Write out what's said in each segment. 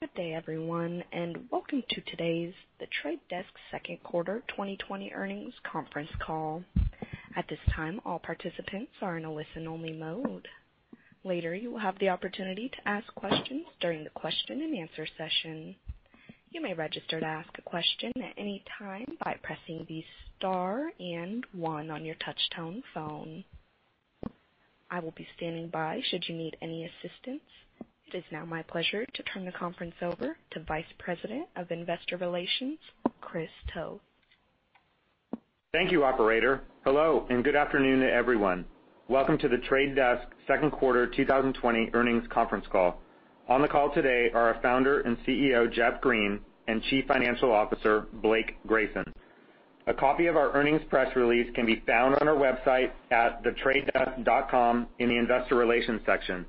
Good day, everyone, and welcome to today's The Trade Desk second quarter 2020 earnings conference call. At this time, all participants are in a listen-only mode. Later, you will have the opportunity to ask questions during the question and answer session. You may register to ask a question at any time by pressing the star and one on your touch-tone phone. I will be standing by should you need any assistance. It is now my pleasure to turn the conference over to Vice President of Investor Relations, Chris Toth. Thank you, operator. Hello, and good afternoon, everyone. Welcome to The Trade Desk second quarter 2020 earnings conference call. On the call today are our Founder and CEO, Jeff Green, and Chief Financial Officer, Blake Grayson. A copy of our earnings press release can be found on our website at thetradedesk.com in the investor relations section.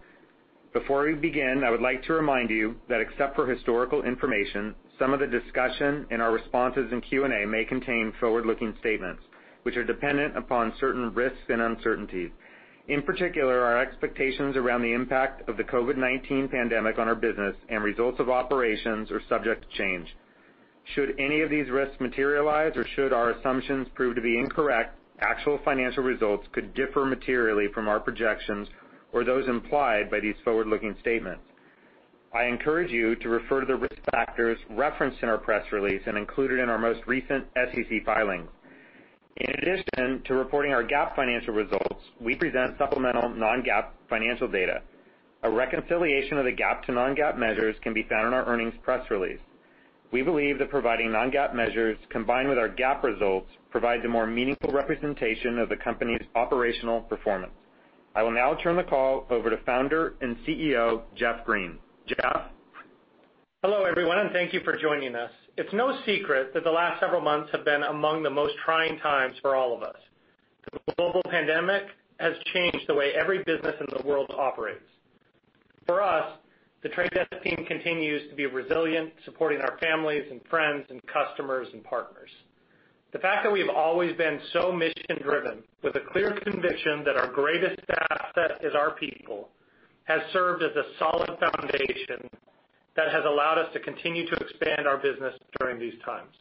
Before we begin, I would like to remind you that except for historical information, some of the discussion and our responses in Q&A may contain forward-looking statements, which are dependent upon certain risks and uncertainties. In particular, our expectations around the impact of the COVID-19 pandemic on our business and results of operations are subject to change. Should any of these risks materialize or should our assumptions prove to be incorrect, actual financial results could differ materially from our projections or those implied by these forward-looking statements. I encourage you to refer to the risk factors referenced in our press release and included in our most recent SEC filings. In addition to reporting our GAAP financial results, we present supplemental non-GAAP financial data. A reconciliation of the GAAP to non-GAAP measures can be found in our earnings press release. We believe that providing non-GAAP measures combined with our GAAP results provides a more meaningful representation of the company's operational performance. I will now turn the call over to founder and CEO, Jeff Green. Jeff? Hello, everyone, and thank you for joining us. It's no secret that the last several months have been among the most trying times for all of us. The global pandemic has changed the way every business in the world operates. For us, The Trade Desk team continues to be resilient, supporting our families and friends and customers and partners. The fact that we have always been so mission-driven with a clear conviction that our greatest asset is our people, has served as a solid foundation that has allowed us to continue to expand our business during these times.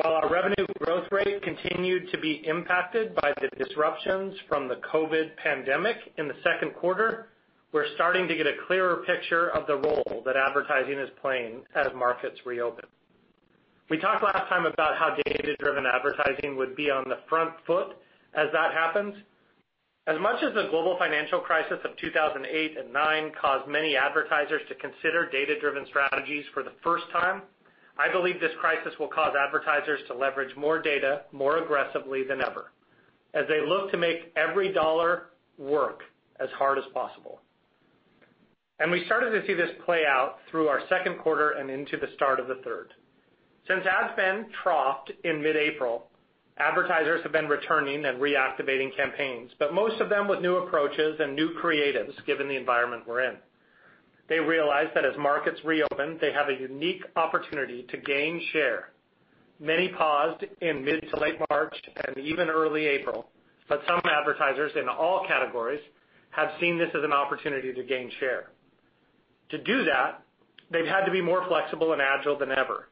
While our revenue growth rate continued to be impacted by the disruptions from the COVID pandemic in the second quarter, we're starting to get a clearer picture of the role that advertising is playing as markets reopen. We talked last time about how data-driven advertising would be on the front foot as that happens. As much as the global financial crisis of 2008 and 2009 caused many advertisers to consider data-driven strategies for the first time, I believe this crisis will cause advertisers to leverage more data more aggressively than ever, as they look to make every dollar work as hard as possible. We started to see this play out through our second quarter and into the start of the third. Since ad spend troughed in mid-April, advertisers have been returning and reactivating campaigns, but most of them with new approaches and new creatives, given the environment we're in. They realized that as markets reopen, they have a unique opportunity to gain share. Many paused in mid to late March and even early April, but some advertisers in all categories have seen this as an opportunity to gain share. To do that, they've had to be more flexible and agile than ever.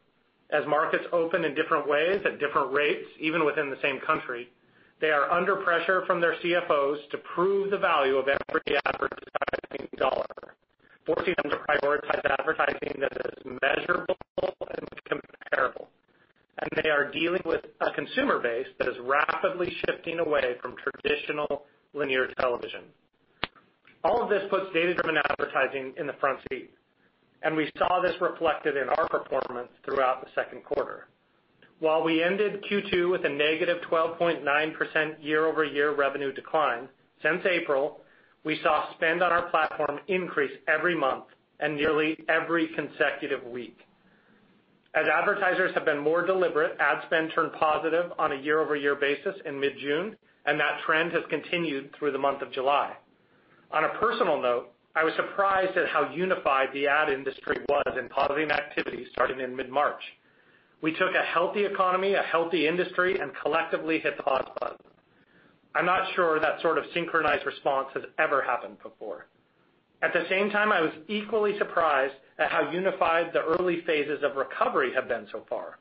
As markets open in different ways at different rates, even within the same country, they are under pressure from their CFOs to prove the value of every advertising dollar, forcing them to prioritize advertising that is measurable and comparable. They are dealing with a consumer base that is rapidly shifting away from traditional linear television. All of this puts data-driven advertising in the front seat, and we saw this reflected in our performance throughout the second quarter. While we ended Q2 with a negative 12.9% year-over-year revenue decline, since April, we saw spend on our platform increase every month and nearly every consecutive week. As advertisers have been more deliberate, ad spend turned positive on a year-over-year basis in mid-June, and that trend has continued through the month of July. On a personal note, I was surprised at how unified the ad industry was in pausing activity starting in mid-March. We took a healthy economy, a healthy industry, and collectively hit the pause button. I'm not sure that sort of synchronized response has ever happened before. At the same time, I was equally surprised at how unified the early phases of recovery have been so far.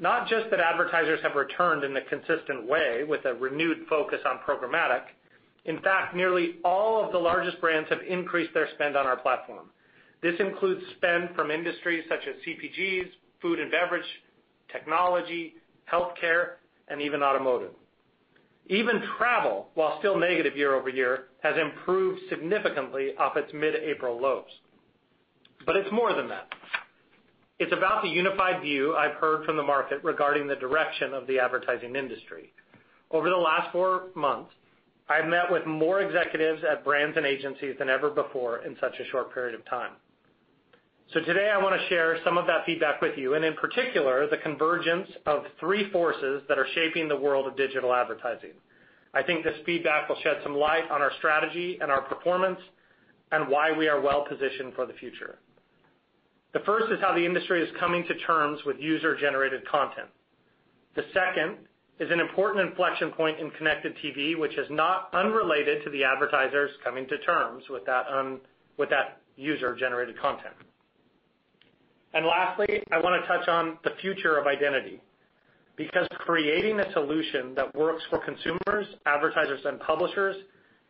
Not just that advertisers have returned in a consistent way with a renewed focus on programmatic. In fact, nearly all of the largest brands have increased their spend on our platform. This includes spend from industries such as CPGs, food and beverage, technology, healthcare, and even automotive. Even travel, while still negative year-over-year, has improved significantly off its mid-April lows. It's more than that. It's about the unified view, I've heard from the market regarding the direction of the advertising industry. Over the last four months, I've met with more executives at brands and agencies than ever before in such a short period of time. Today, I want to share some of that feedback with you, and in particular, the convergence of three forces that are shaping the world of digital advertising. I think this feedback will shed some light on our strategy and our performance and why we are well-positioned for the future. The first is how the industry is coming to terms with user-generated content. The second is an important inflection point in connected TV, which is not unrelated to the advertisers coming to terms with that user-generated content. Lastly, I want to touch on the future of identity, because creating a solution that works for consumers, advertisers, and publishers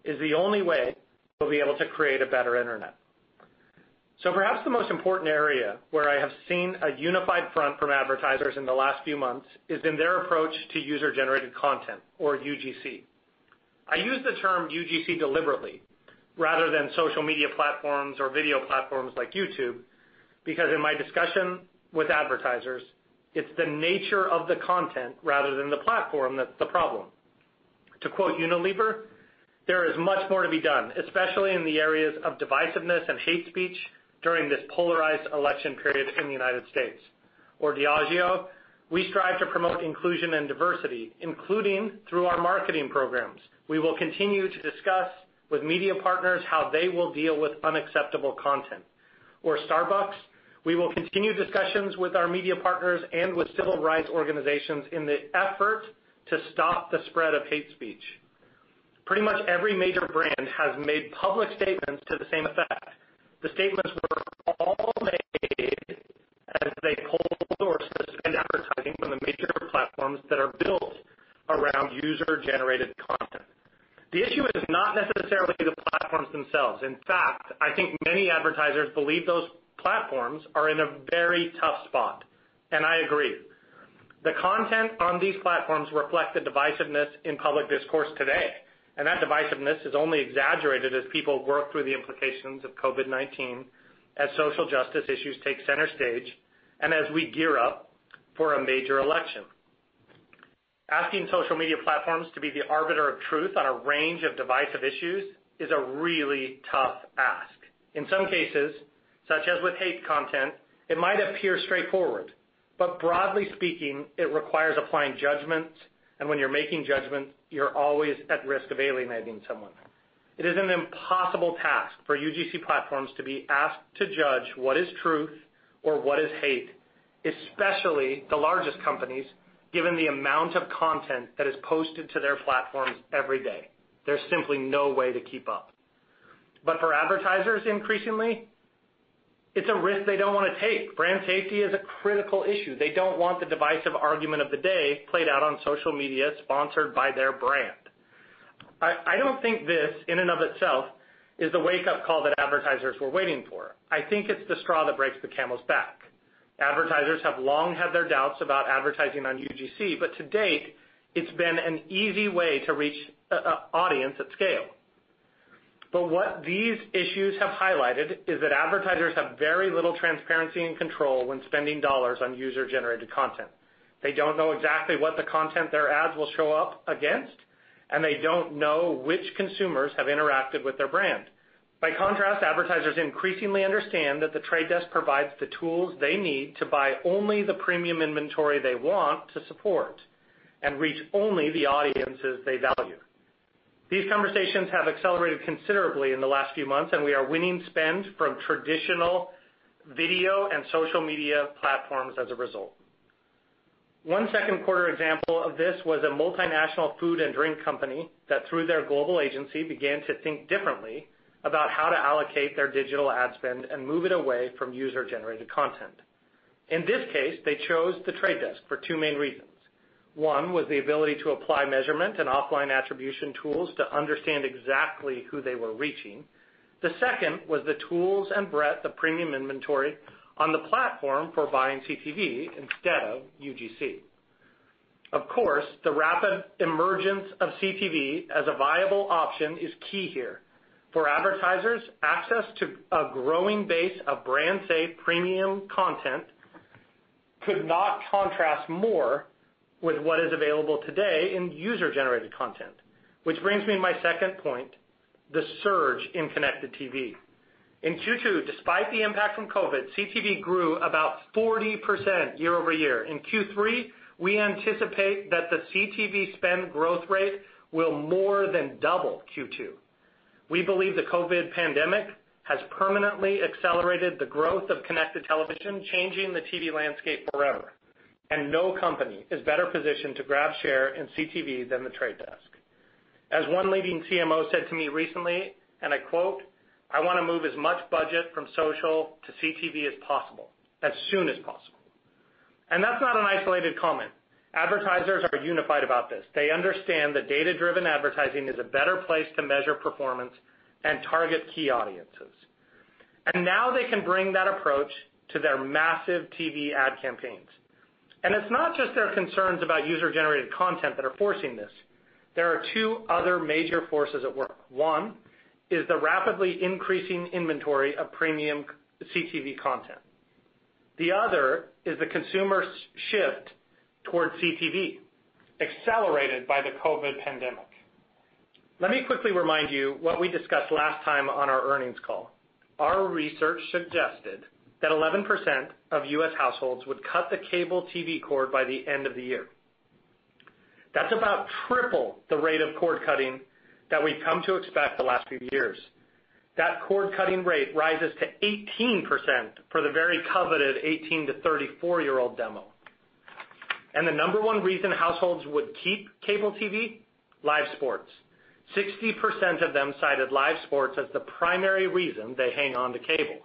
is the only way we'll be able to create a better Internet. Perhaps the most important area where I have seen a unified front from advertisers in the last few months is in their approach to user-generated content, or UGC. I use the term UGC deliberately rather than social media platforms or video platforms like YouTube, because in my discussion with advertisers, it's the nature of the content rather than the platform that's the problem. To quote Unilever, "There is much more to be done, especially in the areas of divisiveness and hate speech during this polarized election period in the United States." Diageo, "We strive to promote inclusion and diversity, including through our marketing programs. We will continue to discuss with media partners how they will deal with unacceptable content." Starbucks, "We will continue discussions with our media partners and with civil rights organizations in the effort to stop the spread of hate speech." Pretty much every major brand has made public statements to the same effect. The statements were all made as they pulled sources and advertising from the major platforms that are built around user-generated content. The issue is not necessarily the platforms themselves. In fact, I think many advertisers believe those platforms are in a very tough spot, and I agree. The content on these platforms reflect the divisiveness in public discourse today, and that divisiveness is only exaggerated as people work through the implications of COVID-19, as social justice issues take center stage, and as we gear up for a major election. Asking social media platforms to be the arbiter of truth on a range of divisive issues is a really tough ask. In some cases, such as with hate content, it might appear straightforward, but broadly speaking, it requires applying judgments, and when you're making judgments, you're always at risk of alienating someone. It is an impossible task for UGC platforms to be asked to judge what is truth or what is hate, especially the largest companies, given the amount of content that is posted to their platforms every day. There's simply no way to keep up. For advertisers, increasingly, it's a risk they don't want to take. Brand safety is a critical issue. They don't want the divisive argument of the day played out on social media sponsored by their brand. I don't think this, in and of itself, is the wake-up call that advertisers were waiting for. I think it's the straw that breaks the camel's back. Advertisers have long had their doubts about advertising on UGC. To date, it's been an easy way to reach audience at scale. What these issues have highlighted is that advertisers have very little transparency and control when spending dollars on user-generated content. They don't know exactly what the content their ads will show up against, and they don't know which consumers have interacted with their brand. By contrast, advertisers increasingly understand that The Trade Desk provides the tools they need to buy only the premium inventory they want to support and reach only the audiences they value. These conversations have accelerated considerably in the last few months. We are winning spend from traditional video and social media platforms as a result. One second quarter example of this was a multinational food and drink company that, through their global agency, began to think differently about how to allocate their digital ad spend and move it away from user-generated content. In this case, they chose The Trade Desk for two main reasons. One was the ability to apply measurement and offline attribution tools to understand exactly who they were reaching. The second was the tools and breadth of premium inventory on the platform for buying CTV instead of UGC. Of course, the rapid emergence of CTV as a viable option is key here. For advertisers, access to a growing base of brand-safe premium content could not contrast more with what is available today in user-generated content. This brings me to my second point, the surge in connected TV. In Q2, despite the impact from COVID-19, CTV grew about 40% year-over-year. In Q3, we anticipate that the CTV spend growth rate will more than double Q2. We believe the COVID pandemic has permanently accelerated the growth of connected television, changing the TV landscape forever. No company is better positioned to grab share in CTV than The Trade Desk. As one leading CMO said to me recently, and I quote, "I want to move as much budget from social to CTV as possible, as soon as possible." That's not an isolated comment. Advertisers are unified about this. They understand that data-driven advertising is a better place to measure performance and target key audiences. Now they can bring that approach to their massive TV ad campaigns. It's not just their concerns about user-generated content that are forcing this. There are two other major forces at work. One is the rapidly increasing inventory of premium CTV content. The other is the consumer shift towards CTV, accelerated by the COVID pandemic. Let me quickly remind you what we discussed last time on our earnings call. Our research suggested that 11% of U.S. households would cut the cable TV cord by the end of the year. That's about triple the rate of cord-cutting that we've come to expect the last few years. That cord-cutting rate rises to 18% for the very coveted 18 to 34-year-old demo. The number one reason households would keep cable TV, live sports. 60% of them cited live sports as the primary reason they hang on to cable.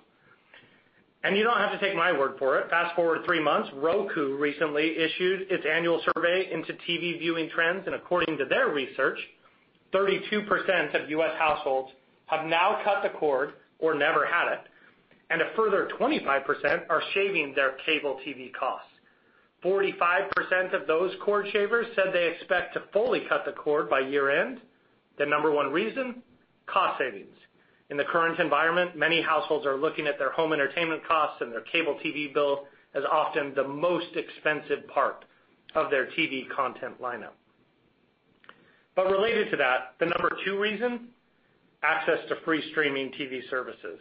You don't have to take my word for it. Fast-forward three months, Roku recently issued its annual survey into TV viewing trends, and according to their research, 32% of U.S. households have now cut the cord or never had it, and a further 25% are shaving their cable TV costs. 45% of those cord shavers said they expect to fully cut the cord by year-end. The number one reason, cost savings. In the current environment, many households are looking at their home entertainment costs and their cable TV bill as often the most expensive part of their TV content lineup. Related to that, the number two reason, access to free streaming TV services.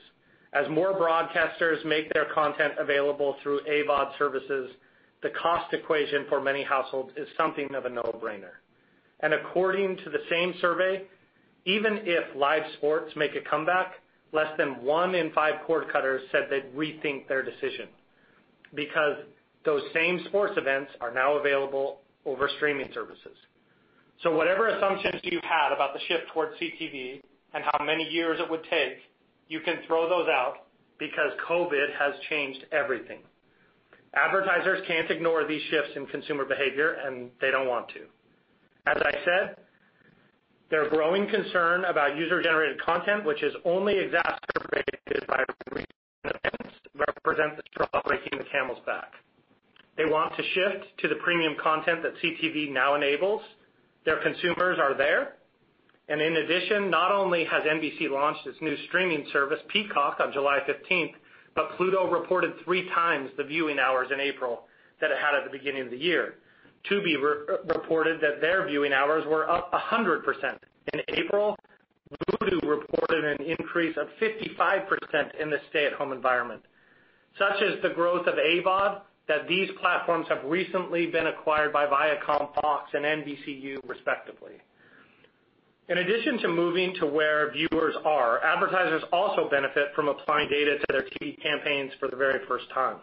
As more broadcasters make their content available through AVOD services, the cost equation for many households is something of a no-brainer. According to the same survey, even if live sports make a comeback, less than one in five cord cutters said they'd rethink their decision, because those same sports events are now available over streaming services. Whatever assumptions you had about the shift towards CTV and how many years it would take, you can throw those out because COVID has changed everything. Advertisers can't ignore these shifts in consumer behavior, and they don't want to. As I said, their growing concern about user-generated content, which is only exacerbated by recent events, represent the straw breaking the camel's back. They want to shift to the premium content that CTV now enables. Their consumers are there. In addition, not only has NBC launched its new streaming service, Peacock, on July 15th, but Pluto reported three times the viewing hours in April than it had at the beginning of the year. Tubi reported that their viewing hours were up 100% in April. Vudu reported an increase of 55% in the stay-at-home environment. Such is the growth of AVOD that these platforms have recently been acquired by Viacom, Fox, and NBCU respectively. In addition to moving to where viewers are, advertisers also benefit from applying data to their TV campaigns for the very first time.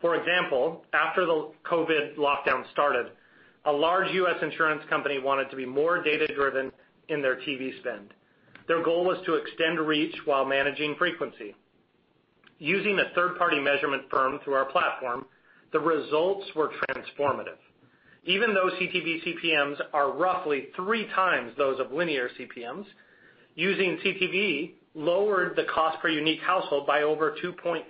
For example, after the COVID lockdown started, a large U.S. insurance company wanted to be more data-driven in their TV spend. Their goal was to extend reach while managing frequency. Using a third-party measurement firm through our platform, the results were transformative. Even though CTV CPMs are roughly three times those of linear CPMs, using CTV lowered the cost per unique household by over 2.5x.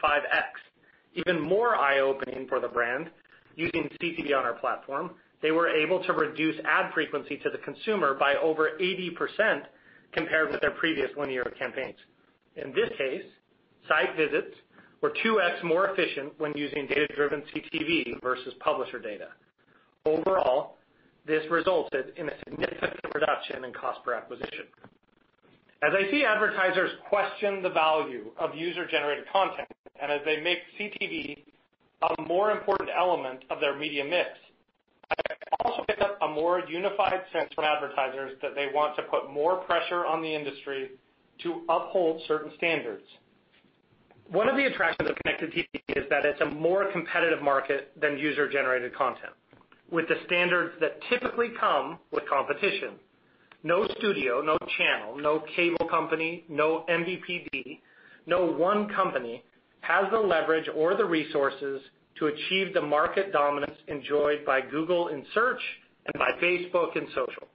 Even more eye-opening for the brand, using CTV on our platform, they were able to reduce ad frequency to the consumer by over 80% compared with their previous linear campaigns. In this case, site visits were 2x more efficient when using data-driven CTV versus publisher data. Overall, this resulted in a significant reduction in cost per acquisition. As I see advertisers question the value of user-generated content, and as they make CTV a more important element of their media mix, I also pick up a more unified sense from advertisers that they want to put more pressure on the industry to uphold certain standards. One of the attractions of connected TV is that it's a more competitive market than user-generated content with the standards that typically come with competition. No studio, no channel, no cable company, no MVPD, no one company has the leverage or the resources to achieve the market dominance enjoyed by Google in search and by Facebook in social.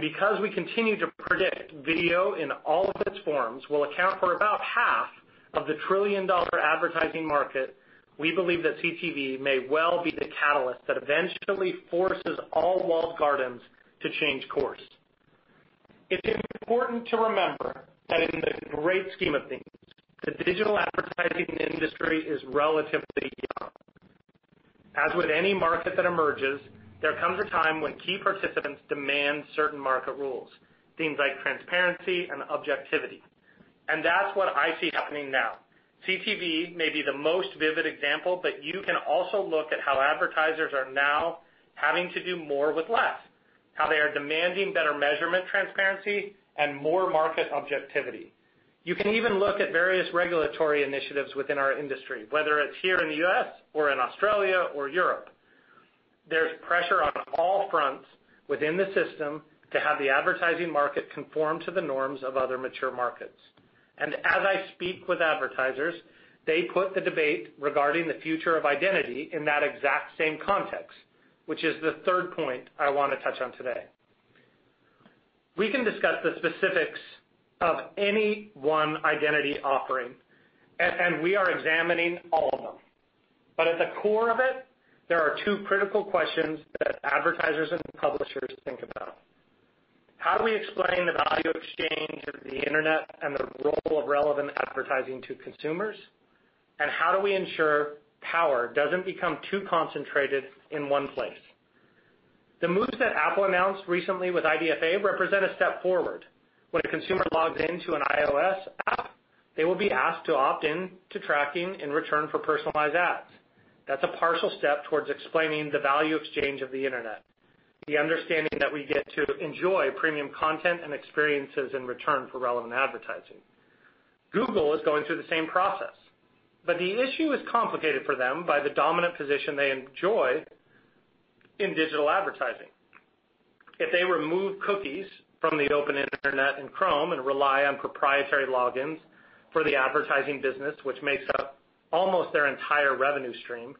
Because we continue to predict video in all of its forms will account for about half of the trillion-dollar advertising market, we believe that CTV may well be the catalyst that eventually forces all walled gardens to change course. It's important to remember that in the great scheme of things, the digital advertising industry is relatively young. As with any market that emerges, there comes a time when key participants demand certain market rules, things like transparency and objectivity. That's what I see happening now. CTV may be the most vivid example, but you can also look at how advertisers are now having to do more with less, how they are demanding better measurement transparency and more market objectivity. You can even look at various regulatory initiatives within our industry, whether it's here in the U.S. or in Australia or Europe. There's pressure on all fronts within the system to have the advertising market conform to the norms of other mature markets. As I speak with advertisers, they put the debate regarding the future of identity in that exact same context, which is the third point I want to touch on today. We can discuss the specifics of any one identity offering, and we are examining all of them. At the core of it, there are two critical questions that advertisers and publishers think about. How do we explain the value exchange of the internet and the role of relevant advertising to consumers? How do we ensure power doesn't become too concentrated in one place? The moves that Apple announced recently with IDFA represent a step forward. When a consumer logs into an iOS app. They will be asked to opt in to tracking in return for personalized ads. That's a partial step towards explaining the value exchange of the internet, the understanding that we get to enjoy premium content and experiences in return for relevant advertising. Google is going through the same process. The issue is complicated for them by the dominant position they enjoy in digital advertising. If they remove cookies from the open internet and Chrome and rely on proprietary logins for the advertising business, which makes up almost their entire revenue stream,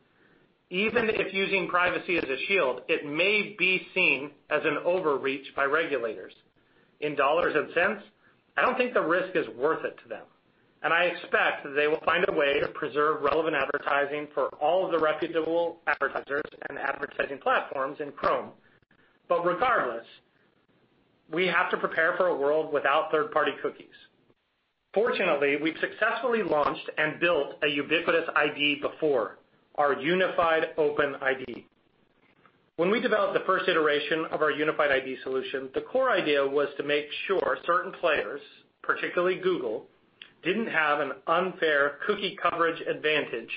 even if using privacy as a shield, it may be seen as an overreach by regulators. In dollars and cents, I don't think the risk is worth it to them. I expect that they will find a way to preserve relevant advertising for all of the reputable advertisers and advertising platforms in Chrome. Regardless, we have to prepare for a world without third-party cookies. Fortunately, we've successfully launched and built a ubiquitous ID before, our Unified Open ID. When we developed the first iteration of our Unified ID solution, the core idea was to make sure certain players, particularly Google, didn't have an unfair cookie coverage advantage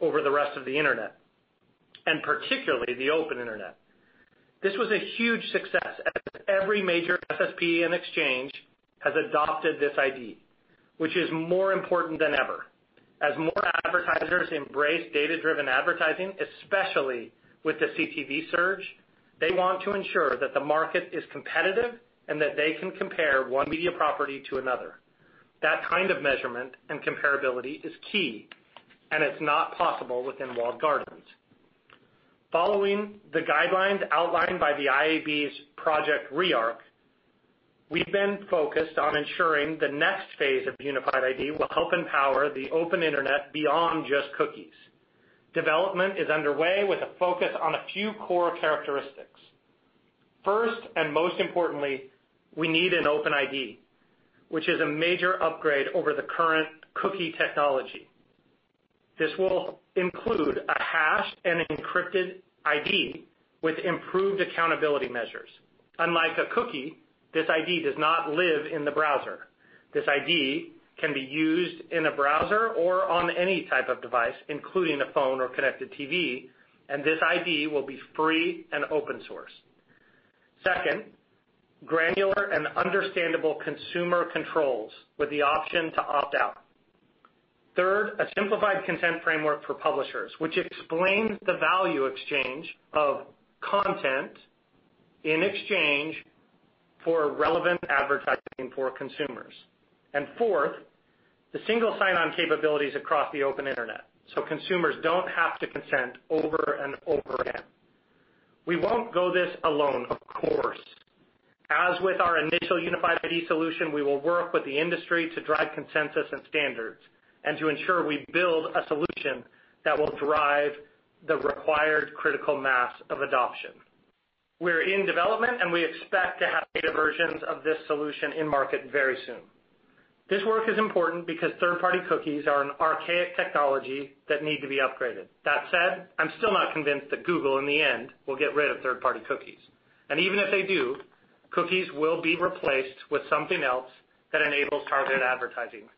over the rest of the internet, and particularly the open internet. This was a huge success as every major SSP and exchange has adopted this ID, which is more important than ever. As more advertisers embrace data-driven advertising, especially with the CTV surge, they want to ensure that the market is competitive and that they can compare one media property to another. That kind of measurement and comparability is key, and it's not possible within walled gardens. Following the guidelines outlined by the IAB's Project Rearc, we've been focused on ensuring the next phase of Unified ID will help empower the open internet beyond just cookies. Development is underway with a focus on a few core characteristics. First, and most importantly, we need an open ID, which is a major upgrade over the current cookie technology. This will include a hashed and encrypted ID with improved accountability measures. Unlike a cookie, this ID does not live in the browser. This ID can be used in a browser or on any type of device, including a phone or connected TV, and this ID will be free and open source. Second, granular and understandable consumer controls with the option to opt out. Third, a simplified consent framework for publishers, which explains the value exchange of content in exchange for relevant advertising for consumers. Fourth, the single sign-on capabilities across the open internet, so consumers don't have to consent over and over again. We won't go this alone, of course. As with our initial Unified ID solution, we will work with the industry to drive consensus and standards, and to ensure we build a solution that will drive the required critical mass of adoption. We're in development, and we expect to have beta versions of this solution in market very soon. This work is important because third-party cookies are an archaic technology that need to be upgraded. That said, I'm still not convinced that Google, in the end, will get rid of third-party cookies. Even if they do, cookies will be replaced with something else that enables targeted advertising.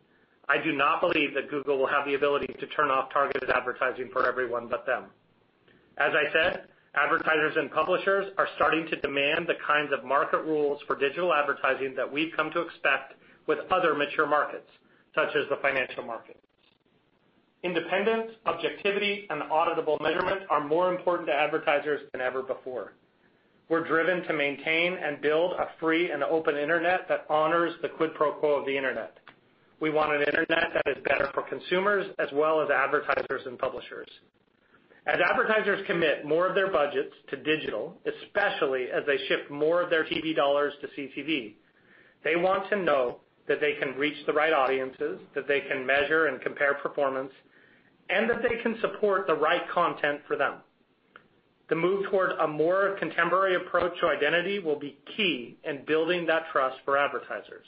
I do not believe that Google will have the ability to turn off targeted advertising for everyone but them. As I said, advertisers and publishers are starting to demand the kinds of market rules for digital advertising that we've come to expect with other mature markets, such as the financial markets. Independence, objectivity, and auditable measurement are more important to advertisers than ever before. We're driven to maintain and build a free and open internet that honors the quid pro quo of the internet. We want an internet that is better for consumers as well as advertisers and publishers. As advertisers commit more of their budgets to digital, especially as they shift more of their TV dollars to CTV, they want to know that they can reach the right audiences, that they can measure and compare performance, and that they can support the right content for them. The move toward a more contemporary approach to identity will be key in building that trust for advertisers.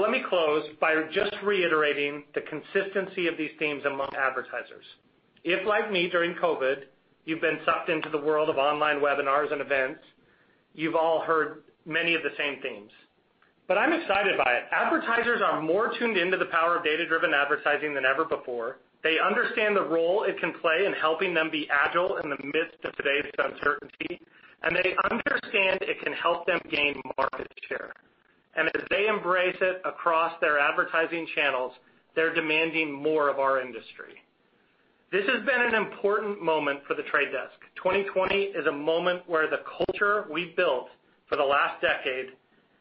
Let me close by just reiterating the consistency of these themes among advertisers. If, like me during COVID, you've been sucked into the world of online webinars and events, you've all heard many of the same themes. I'm excited by it. Advertisers are more tuned into the power of data-driven advertising than ever before. They understand the role it can play in helping them be agile in the midst of today's uncertainty, and they understand it can help them gain market share. As they embrace it across their advertising channels, they're demanding more of our industry. This has been an important moment for The Trade Desk. 2020 is a moment where the culture we've built for the last decade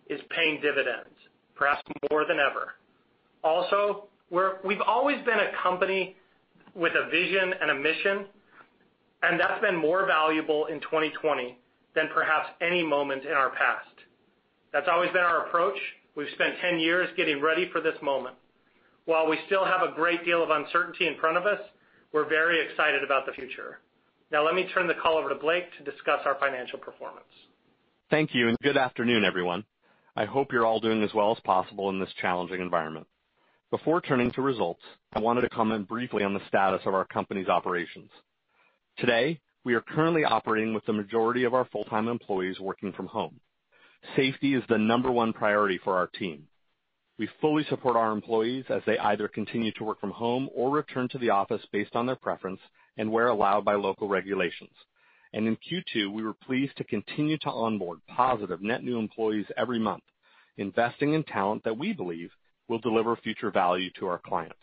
is paying dividends, perhaps more than ever. We've always been a company with a vision and a mission, that's been more valuable in 2020 than perhaps any moment in our past. That's always been our approach. We've spent 10 years getting ready for this moment. While we still have a great deal of uncertainty in front of us, we're very excited about the future. Let me turn the call over to Blake to discuss our financial performance. Thank you, good afternoon, everyone. I hope you're all doing as well as possible in this challenging environment. Before turning to results, I wanted to comment briefly on the status of our company's operations. Today, we are currently operating with the majority of our full-time employees working from home. Safety is the number one priority for our team. We fully support our employees as they either continue to work from home or return to the office based on their preference and where allowed by local regulations. In Q2, we were pleased to continue to onboard positive net new employees every month, investing in talent that we believe will deliver future value to our clients.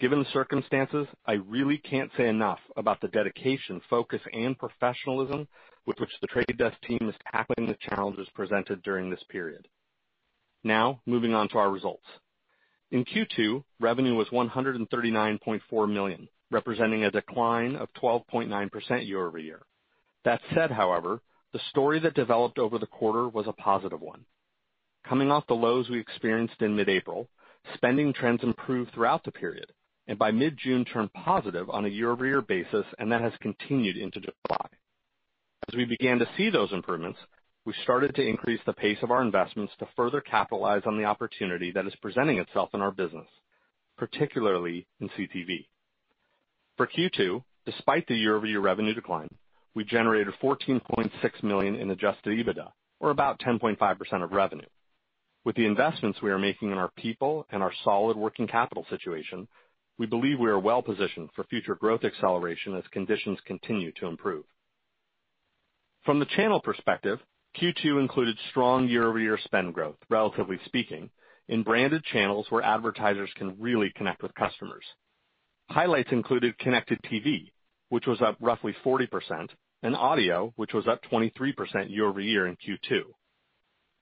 Given the circumstances, I really can't say enough about the dedication, focus, and professionalism with which The Trade Desk team is tackling the challenges presented during this period. Moving on to our results. In Q2, revenue was $139.4 million, representing a decline of 12.9% year-over-year. That said, however, the story that developed over the quarter was a positive one. Coming off the lows we experienced in mid-April, spending trends improved throughout the period, and by mid-June, turned positive on a year-over-year basis, and that has continued into July. As we began to see those improvements, we started to increase the pace of our investments to further capitalize on the opportunity that is presenting itself in our business, particularly in CTV. For Q2, despite the year-over-year revenue decline, we generated $14.6 million in adjusted EBITDA, or about 10.5% of revenue. With the investments we are making in our people and our solid working capital situation, we believe we are well-positioned for future growth acceleration as conditions continue to improve. From the channel perspective, Q2 included strong year-over-year spend growth, relatively speaking, in branded channels where advertisers can really connect with customers. Highlights included connected TV, which was up roughly 40%, and audio, which was up 23% year-over-year in Q2.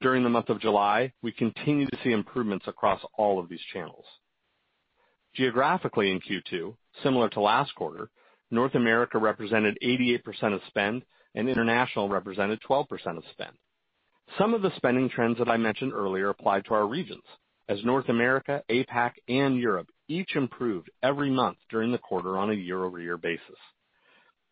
During the month of July, we continue to see improvements across all of these channels. Geographically in Q2, similar to last quarter, North America represented 88% of spend and international represented 12% of spend. Some of the spending trends that I mentioned earlier apply to our regions, as North America, APAC, and Europe each improved every month during the quarter on a year-over-year basis.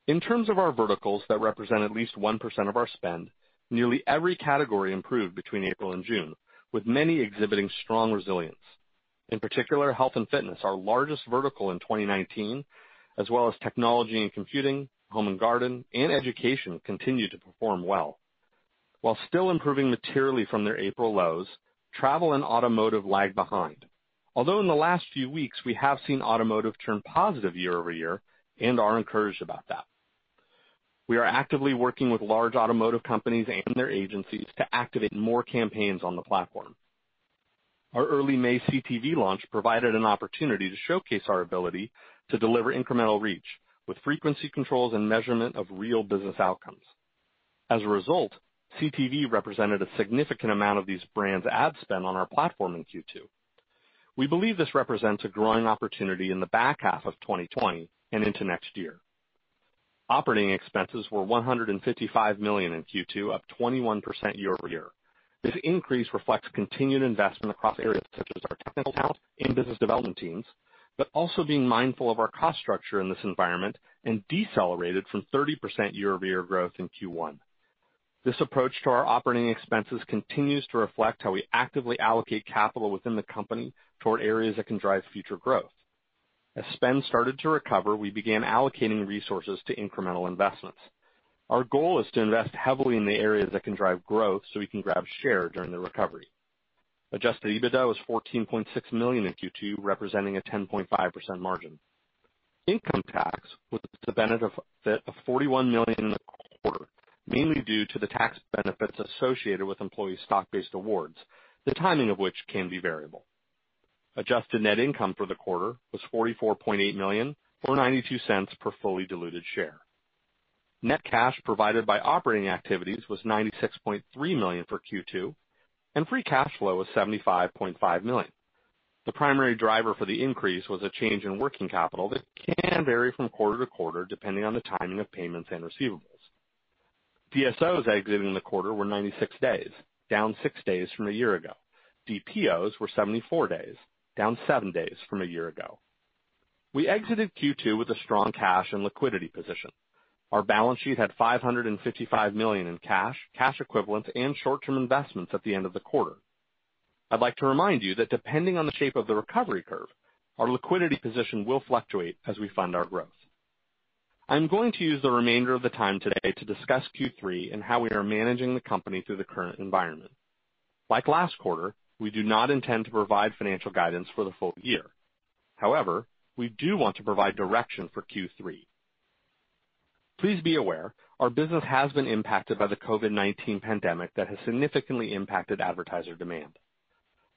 In terms of our verticals that represent at least 1% of our spend, nearly every category improved between April and June, with many exhibiting strong resilience. In particular, health and fitness, our largest vertical in 2019, as well as technology and computing, home and garden, and education, continue to perform well. While still improving materially from their April lows, travel and automotive lag behind. Although in the last few weeks, we have seen automotive turn positive year-over-year and are encouraged about that. We are actively working with large automotive companies and their agencies to activate more campaigns on the platform. Our early May CTV launch provided an opportunity to showcase our ability to deliver incremental reach with frequency controls and measurement of real business outcomes. As a result, CTV represented a significant amount of these brands' ad spend on our platform in Q2. We believe this represents a growing opportunity in the back half of 2020 and into next year. Operating expenses were $155 million in Q2, up 21% year-over-year. This increase reflects continued investment across areas such as our technical talent and business development teams, but also being mindful of our cost structure in this environment and decelerated from 30% year-over-year growth in Q1. This approach to our operating expenses continues to reflect how we actively allocate capital within the company toward areas that can drive future growth. As spend started to recover, we began allocating resources to incremental investments. Our goal is to invest heavily in the areas that can drive growth so we can grab share during the recovery. Adjusted EBITDA was $14.6 million in Q2, representing a 10.5% margin. Income tax was the benefit of $41 million in the quarter, mainly due to the tax benefits associated with employee stock-based awards, the timing of which can be variable. Adjusted net income for the quarter was $44.8 million or $0.92 per fully diluted share. Net cash provided by operating activities was $96.3 million for Q2, and free cash flow was $75.5 million. The primary driver for the increase was a change in working capital that can vary from quarter to quarter depending on the timing of payments and receivables. DSO exiting the quarter were 96 days, down six days from a year ago. DPO were 74 days, down seven days from a year ago. We exited Q2 with a strong cash and liquidity position. Our balance sheet had $555 million in cash equivalents, and short-term investments at the end of the quarter. I'd like to remind you that depending on the shape of the recovery curve, our liquidity position will fluctuate as we fund our growth. I'm going to use the remainder of the time today to discuss Q3 and how we are managing the company through the current environment. Like last quarter, we do not intend to provide financial guidance for the full year. However, we do want to provide direction for Q3. Please be aware, our business has been impacted by the COVID-19 pandemic that has significantly impacted advertiser demand.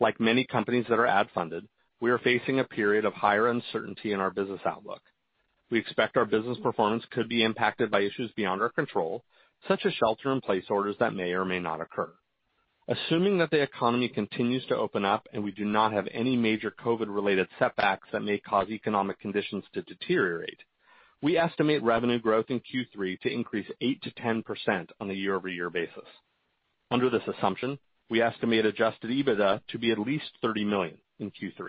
Like many companies that are ad-funded, we are facing a period of higher uncertainty in our business outlook. We expect our business performance could be impacted by issues beyond our control, such as shelter in place orders that may or may not occur. Assuming that the economy continues to open up and we do not have any major COVID-related setbacks that may cause economic conditions to deteriorate, we estimate revenue growth in Q3 to increase 8%-10% on a year-over-year basis. Under this assumption, we estimate adjusted EBITDA to be at least $30 million in Q3.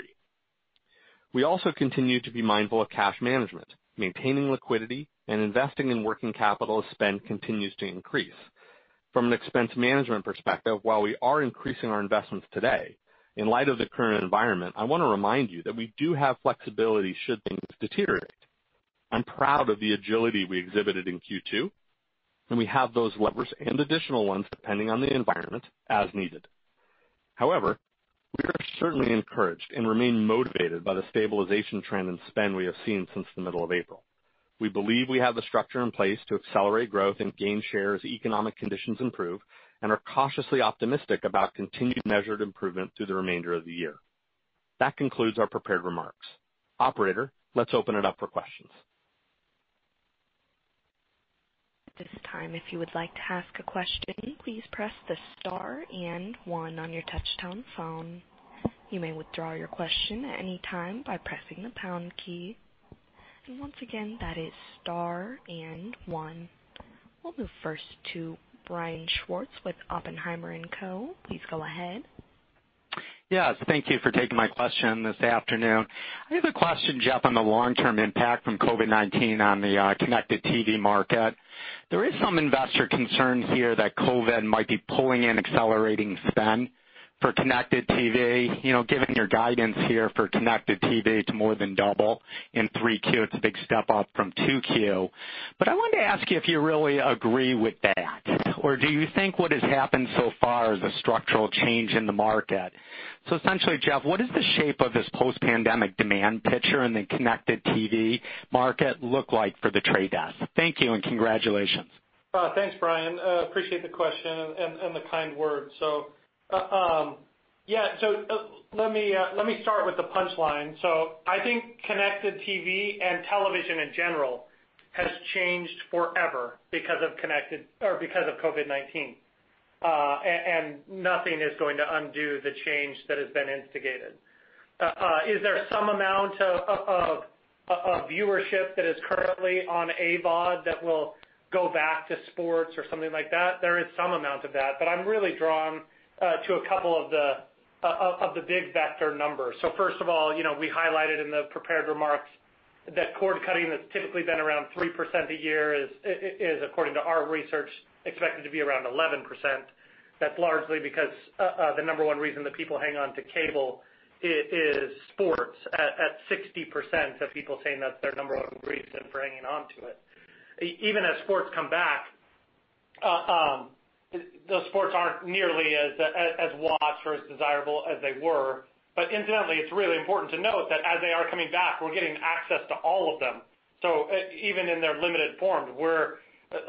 We also continue to be mindful of cash management, maintaining liquidity, and investing in working capital as spend continues to increase. From an expense management perspective, while we are increasing our investments today, in light of the current environment, I want to remind you that we do have flexibility should things deteriorate. I'm proud of the agility we exhibited in Q2, and we have those levers and additional ones depending on the environment as needed. We are certainly encouraged and remain motivated by the stabilization trend and spend we have seen since the middle of April. We believe we have the structure in place to accelerate growth and gain share as economic conditions improve and are cautiously optimistic about continued measured improvement through the remainder of the year. That concludes our prepared remarks. Operator, let's open it up for questions. This time, if you would like to ask a question, please press the star and one on your touch-tone phone. You may withdraw your question at any time by pressing the pound key. And once again, that is star and one. We'll move first to Brian Schwartz with Oppenheimer & Co. Please go ahead. Yes, thank you for taking my question this afternoon. I have a question, Jeff, on the long-term impact from COVID-19 on the connected TV market. There is some investor concerns here that COVID might be pulling in accelerating spend for connected TV. Given your guidance here for connected TV to more than double in 3Q, it's a big step up from 2Q. I wanted to ask you if you really agree with that. Do you think what has happened so far is a structural change in the market? Essentially, Jeff, what is the shape of this post-pandemic demand picture in the connected TV market look like for The Trade Desk? Thank you, and congratulations. Thanks, Brian. Appreciate the question and the kind words. Let me start with the punchline. I think connected TV and television in general has changed forever because of COVID-19. Nothing is going to undo the change that has been instigated. Is there some amount of viewership that is currently on AVOD that will go back to sports or something like that? There is some amount of that. I'm really drawn to a couple of the big vector numbers. First of all, we highlighted in the prepared remarks that cord cutting has typically been around 3% a year is, according to our research, expected to be around 11%. That's largely because the number one reason that people hang on to cable is sports at 60% of people saying that's their number one reason for hanging on to it. Even as sports come back, those sports aren't nearly as watched or as desirable as they were. Incidentally, it's really important to note that as they are coming back, we're getting access to all of them. Even in their limited forms,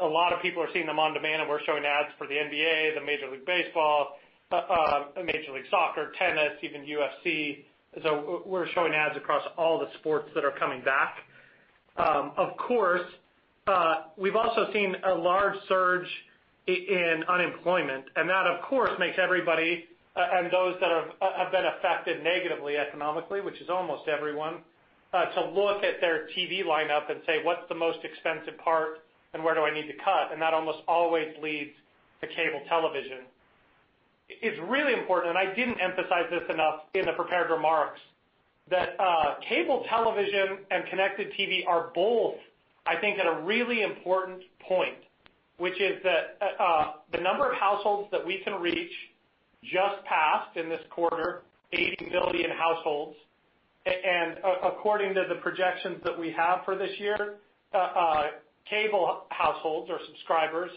a lot of people are seeing them on-demand, and we're showing ads for the NBA, the Major League Baseball, Major League Soccer, tennis, even UFC. We're showing ads across all the sports that are coming back. Of course, we've also seen a large surge in unemployment, and that, of course, makes everybody and those that have been affected negatively economically, which is almost everyone, to look at their TV lineup and say, what's the most expensive part and where do I need to cut? That almost always leads to cable television. It's really important, and I didn't emphasize this enough in the prepared remarks, that cable television and connected TV are both, I think, at a really important point, which is that the number of households that we can reach just passed in this quarter 80 million households. According to the projections that we have for this year, cable households or subscribers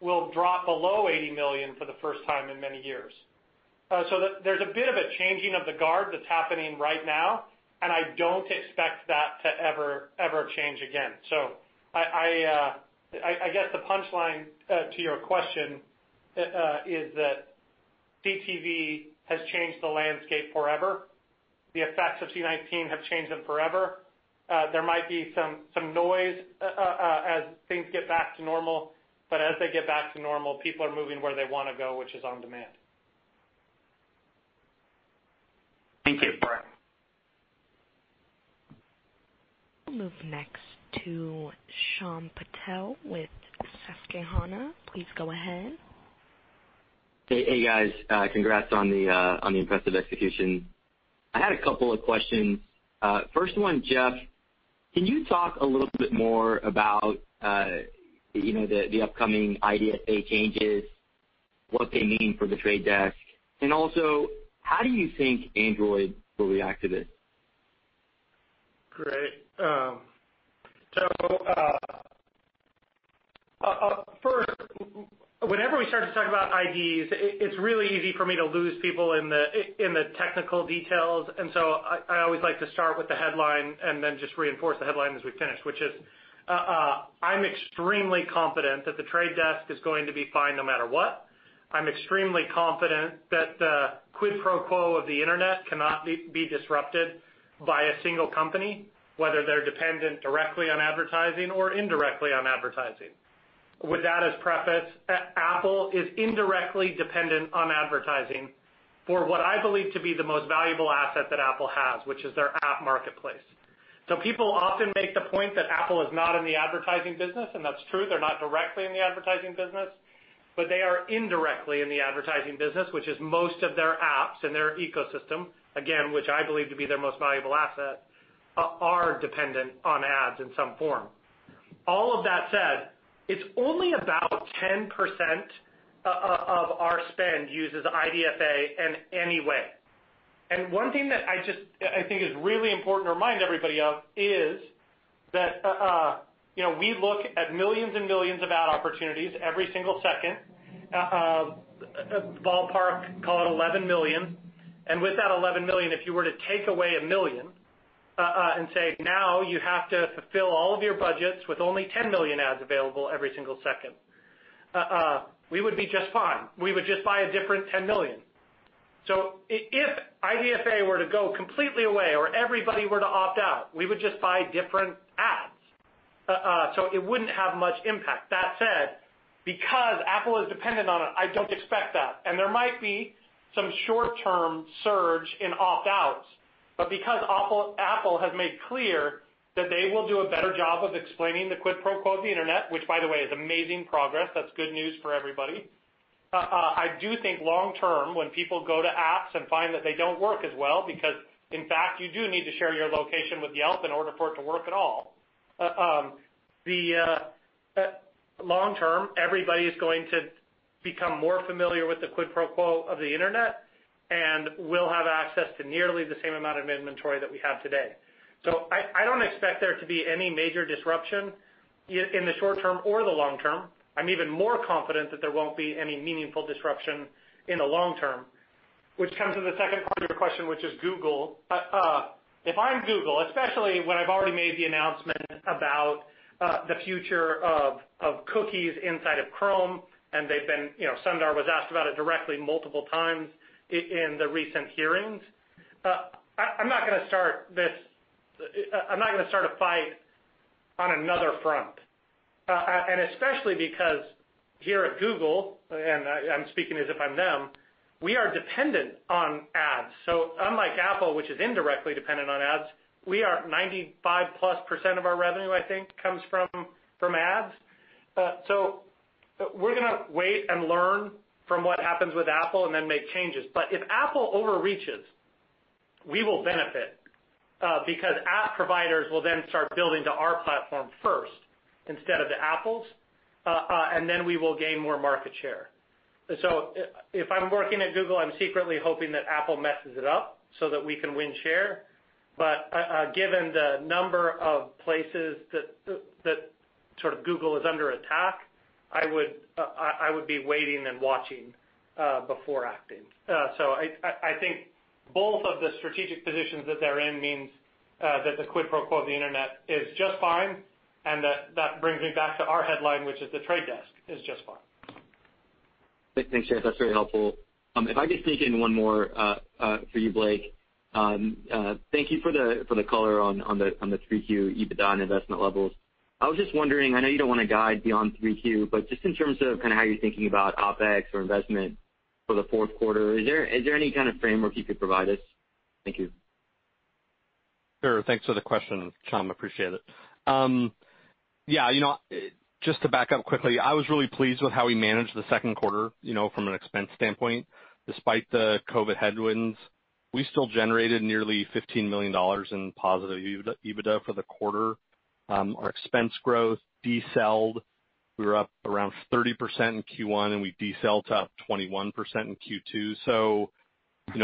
will drop below 80 million for the first time in many years. There's a bit of a changing of the guard that's happening right now, and I don't expect that to ever change again. I guess the punchline to your question, is that CTV has changed the landscape forever. The effects of COVID-19 have changed them forever. There might be some noise, as things get back to normal, but as they get back to normal, people are moving where they want to go, which is on-demand. Thank you, Jeff. Move next to Shyam Patil with Susquehanna. Please go ahead. Hey, guys. Congrats on the impressive execution. I had a couple of questions. First one, Jeff, can you talk a little bit more about the upcoming IDFA changes, what they mean for The Trade Desk, and also how do you think Android will react to this? Great. First, whenever we start to talk about IDs, it's really easy for me to lose people in the technical details. I always like to start with the headline and then just reinforce the headline as we finish, which is, I'm extremely confident that The Trade Desk is going to be fine no matter what. I'm extremely confident that the quid pro quo of the Internet cannot be disrupted by a single company, whether they're dependent directly on advertising or indirectly on advertising. With that as preface, Apple is indirectly dependent on advertising for what I believe to be the most valuable asset that Apple has, which is their app marketplace. People often make the point that Apple is not in the advertising business, and that's true, they're not directly in the advertising business. They are indirectly in the advertising business, which is most of their apps and their ecosystem, again, which I believe to be their most valuable asset, are dependent on ads in some form. All of that said, it's only about 10% of our spend uses IDFA in any way. One thing that I think is really important to remind everybody of is that we look at millions and millions of ad opportunities every single second. Ballpark, call it 11 million. With that 11 million, if you were to take away 1 million and say, now you have to fulfill all of your budgets with only 10 million ads available every single second, we would be just fine. We would just buy a different 10 million. If IDFA were to go completely away or everybody were to opt out, we would just buy different ads. It wouldn't have much impact. That said, because Apple is dependent on it, I don't expect that. There might be some short-term surge in opt-outs, but because Apple has made clear that they will do a better job of explaining the quid pro quo of the Internet, which by the way, is amazing progress, that's good news for everybody. I do think long-term, when people go to apps and find that they don't work as well because, in fact, you do need to share your location with Yelp in order for it to work at all. Long-term, everybody's going to become more familiar with the quid pro quo of the Internet and will have access to nearly the same amount of inventory that we have today. I don't expect there to be any major disruption in the short term or the long term. I'm even more confident that there won't be any meaningful disruption in the long term, which comes to the second part of your question, which is Google. If I'm Google, especially when I've already made the announcement about the future of cookies inside of Chrome, and Sundar was asked about it directly multiple times in the recent hearings. I'm not going to start a fight on another front. Especially because here at Google, and I'm speaking as if I'm them, we are dependent on ads. Unlike Apple, which is indirectly dependent on ads, 95% plus of our revenue, I think, comes from ads. We're going to wait and learn from what happens with Apple and then make changes. If Apple overreaches, we will benefit because app providers will then start building to our platform first instead of to Apple's, we will gain more market share. If I'm working at Google, I'm secretly hoping that Apple messes it up so that we can win share. Given the number of places that Google is under attack, I would be waiting and watching before acting. I think both of the strategic positions that they're in means that the quid pro quo of the Internet is just fine, and that brings me back to our headline, which is The Trade Desk is just fine. Thanks, Jeff. That's very helpful. If I could sneak in one more for you, Blake. Thank you for the color on the 3Q EBITDA and investment levels. I was just wondering, I know you don't want to guide beyond 3Q, but just in terms of how you're thinking about OpEx or investment for the fourth quarter, is there any kind of framework you could provide us? Thank you. Sure. Thanks for the question, Shyam. Appreciate it. Just to back up quickly, I was really pleased with how we managed the second quarter from an expense standpoint. Despite the COVID-19 headwinds, we still generated nearly $15 million in positive EBITDA for the quarter. Our expense growth decelled. We were up around 30% in Q1, and we decel'ed to up 21% in Q2.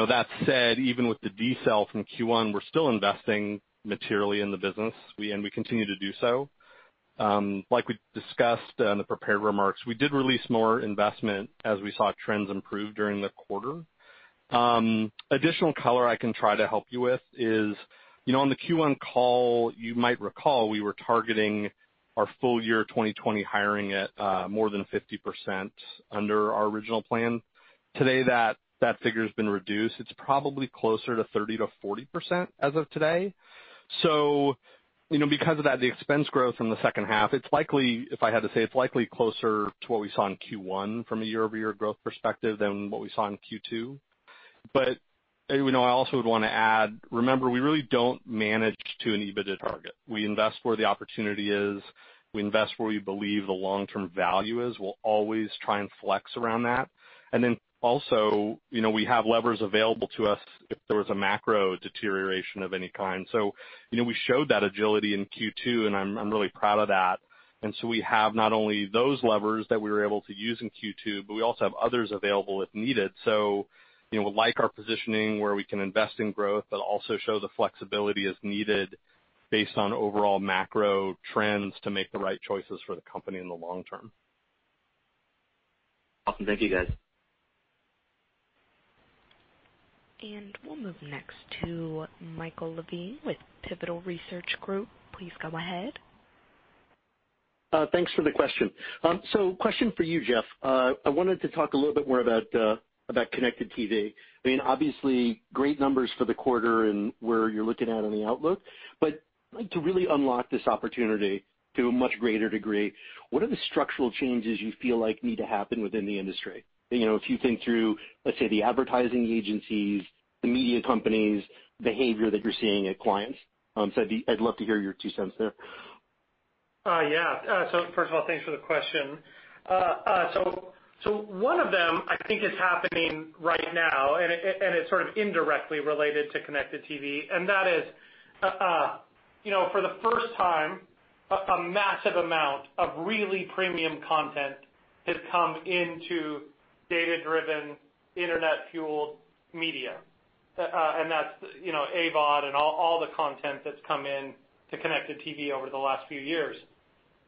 That said, even with the decel from Q1, we're still investing materially in the business, and we continue to do so. Like we discussed in the prepared remarks, we did release more investment as we saw trends improve during the quarter. Additional color I can try to help you with is, on the Q1 call, you might recall we were targeting our full year 2020 hiring at more than 50% under our original plan. Today, that figure has been reduced. It's probably closer to 30%-40% as of today. Because of that, the expense growth in the second half, if I had to say, it's likely closer to what we saw in Q1 from a year-over-year growth perspective than what we saw in Q2. I also would want to add, remember, we really don't manage to an EBITDA target. We invest where the opportunity is. We invest where we believe the long-term value is. We'll always try and flex around that. We have levers available to us if there was a macro deterioration of any kind. We showed that agility in Q2, and I'm really proud of that. We have not only those levers that we were able to use in Q2, but we also have others available if needed. We like our positioning where we can invest in growth but also show the flexibility as needed based on overall macro trends to make the right choices for the company in the long term. Awesome. Thank you, guys. We'll move next to Michael Levine with Pivotal Research Group. Please go ahead. Thanks for the question. Question for you, Jeff. I wanted to talk a little bit more about Connected TV. Obviously, great numbers for the quarter and where you're looking at on the outlook. To really unlock this opportunity to a much greater degree, what are the structural changes you feel like need to happen within the industry? If you think through, let's say, the advertising agencies, the media companies, behavior that you're seeing at clients. I'd love to hear your two cents there. First of all, thanks for the question. One of them I think is happening right now, and it's sort of indirectly related to Connected TV, and that is, for the first time, a massive amount of really premium content has come into data-driven, Internet-fueled media, and that's AVOD and all the content that's come into Connected TV over the last few years.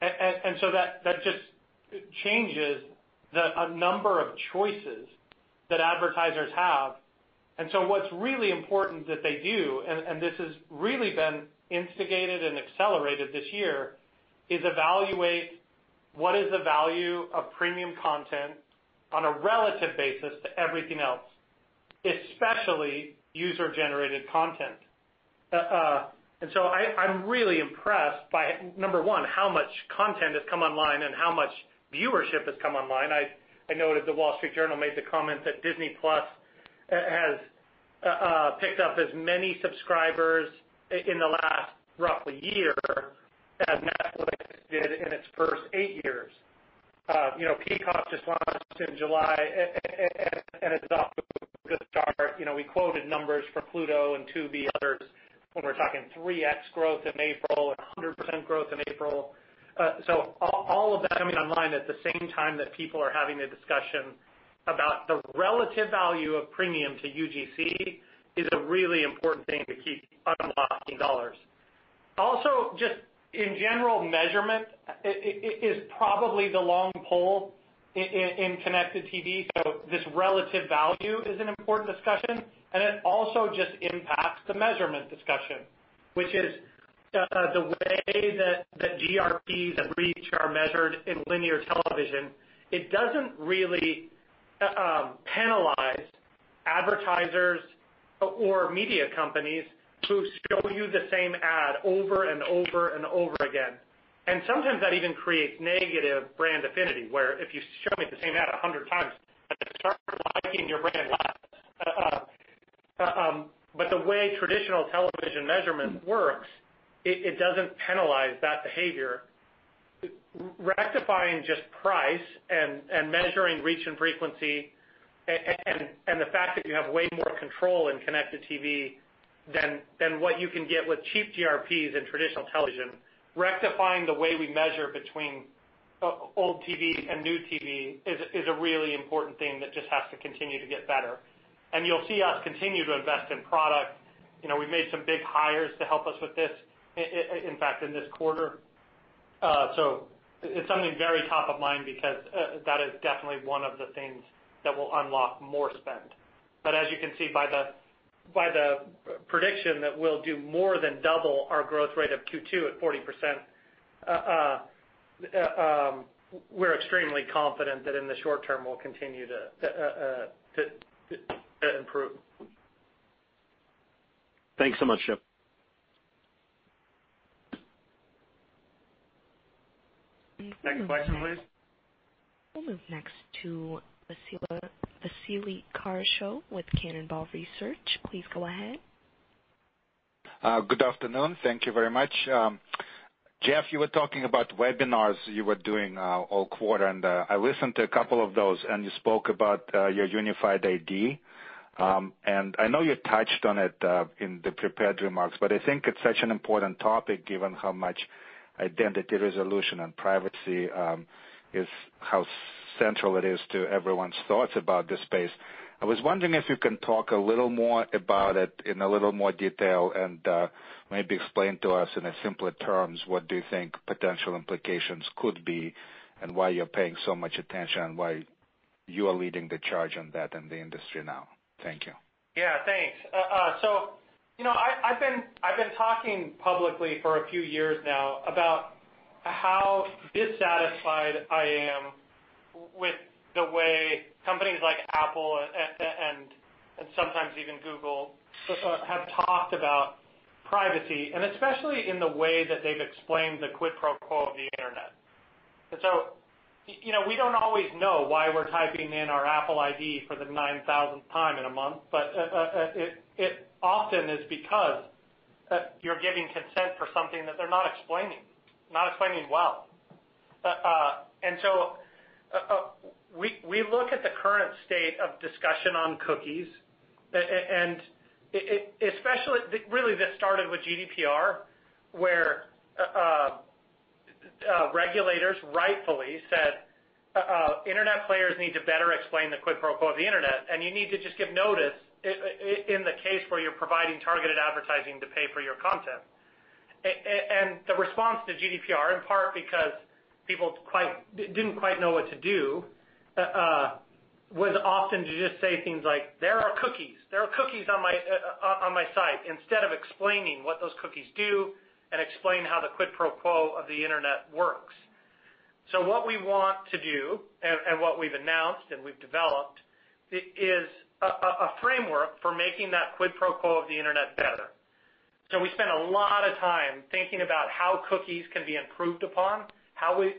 That just changes the number of choices that advertisers have. What's really important that they do, and this has really been instigated and accelerated this year, is evaluate what is the value of premium content on a relative basis to everything else, especially user-generated content. I'm really impressed by, number one, how much content has come online and how much viewership has come online. I noted The Wall Street Journal made the comment that Disney+ has picked up as many subscribers in the last roughly year as Netflix did in its first eight years. Peacock just launched in July, and it's off to a good start. We quoted numbers from Pluto and Tubi, others, when we're talking 3x growth in April and 100% growth in April. All of that coming online at the same time that people are having a discussion about the relative value of premium to UGC is a really important thing to keep unlocking dollars. Also, just in general, measurement is probably the long pole in connected TV, so this relative value is an important discussion, and it also just impacts the measurement discussion, which is the way that GRPs and reach are measured in linear television. It doesn't really penalize advertisers or media companies who show you the same ad over and over and over again. Sometimes that even creates negative brand affinity, where if you show me the same a 100 times, I start liking your brand less. The way traditional television measurement works, it doesn't penalize that behavior. Rectifying just price and measuring reach and frequency and the fact that you have way more control in connected TV than what you can get with cheap GRPs in traditional television, rectifying the way we measure between old TV and new TV is a really important thing that just has to continue to get better. You'll see us continue to invest in product. We made some big hires to help us with this, in fact, in this quarter. It's something very top of mind because that is definitely one of the things that will unlock more spend. As you can see by the prediction that we'll do more than double our growth rate of Q2 at 40%, we're extremely confident that in the short term, we'll continue to improve. Thanks so much, Jeff. Next question, please. We'll move next to Vasily Karasyov with Cannonball Research. Please go ahead. Good afternoon. Thank you very much. Jeff, you were talking about webinars you were doing all quarter, and I listened to a couple of those, and you spoke about your Unified ID. I know you touched on it in the prepared remarks, but I think it's such an important topic, given how much identity resolution and privacy is, how central it is to everyone's thoughts about this space. I was wondering if you can talk a little more about it in a little more detail and maybe explain to us in simpler terms, what do you think potential implications could be, and why you're paying so much attention, and why you are leading the charge on that in the industry now? Thank you. Yeah, thanks. I've been talking publicly for a few years now about how dissatisfied I am with the way companies like Apple and sometimes even Google have talked about privacy, and especially in the way that they've explained the quid pro quo of the Internet. We don't always know why we're typing in our Apple ID for the 9,000th time in a month. It often is because you're giving consent for something that they're not explaining well. We look at the current state of discussion on cookies, and especially, really this started with GDPR, where regulators rightfully said Internet players need to better explain the quid pro quo of the Internet, and you need to just give notice in the case where you're providing targeted advertising to pay for your content. The response to GDPR, in part because people didn't quite know what to do, was often to just say things like, "There are cookies. There are cookies on my site," instead of explaining what those cookies do and explain how the quid pro quo of the Internet works. What we want to do and what we've announced and we've developed is a framework for making that quid pro quo of the Internet better. We spent a lot of time thinking about how cookies can be improved upon, how we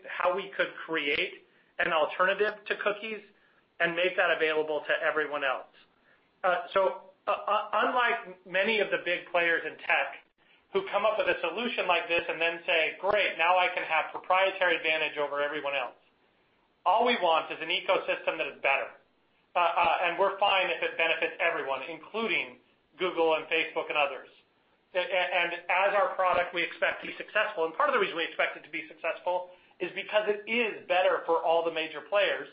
could create an alternative to cookies and make that available to everyone else. Unlike many of the big players in tech who come up with a solution like this and then say, "Great, now I can have proprietary advantage over everyone else," all we want is an ecosystem that is better. We're fine if it benefits everyone, including Google and Facebook and others. As our product, we expect to be successful. Part of the reason we expect it to be successful is because it is better for all the major players,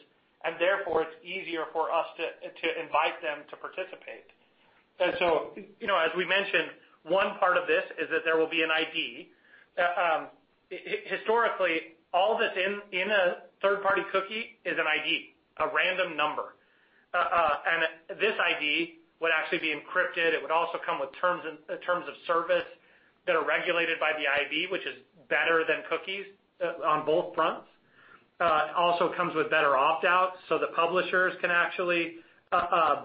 and therefore, it's easier for us to invite them to participate. As we mentioned, one part of this is that there will be an ID. Historically, all that's in a third-party cookie is an ID, a random number. This ID would actually be encrypted. It would also come with terms of service that are regulated by the ID, which is better than cookies on both fronts. Also comes with better opt-outs so the publishers can actually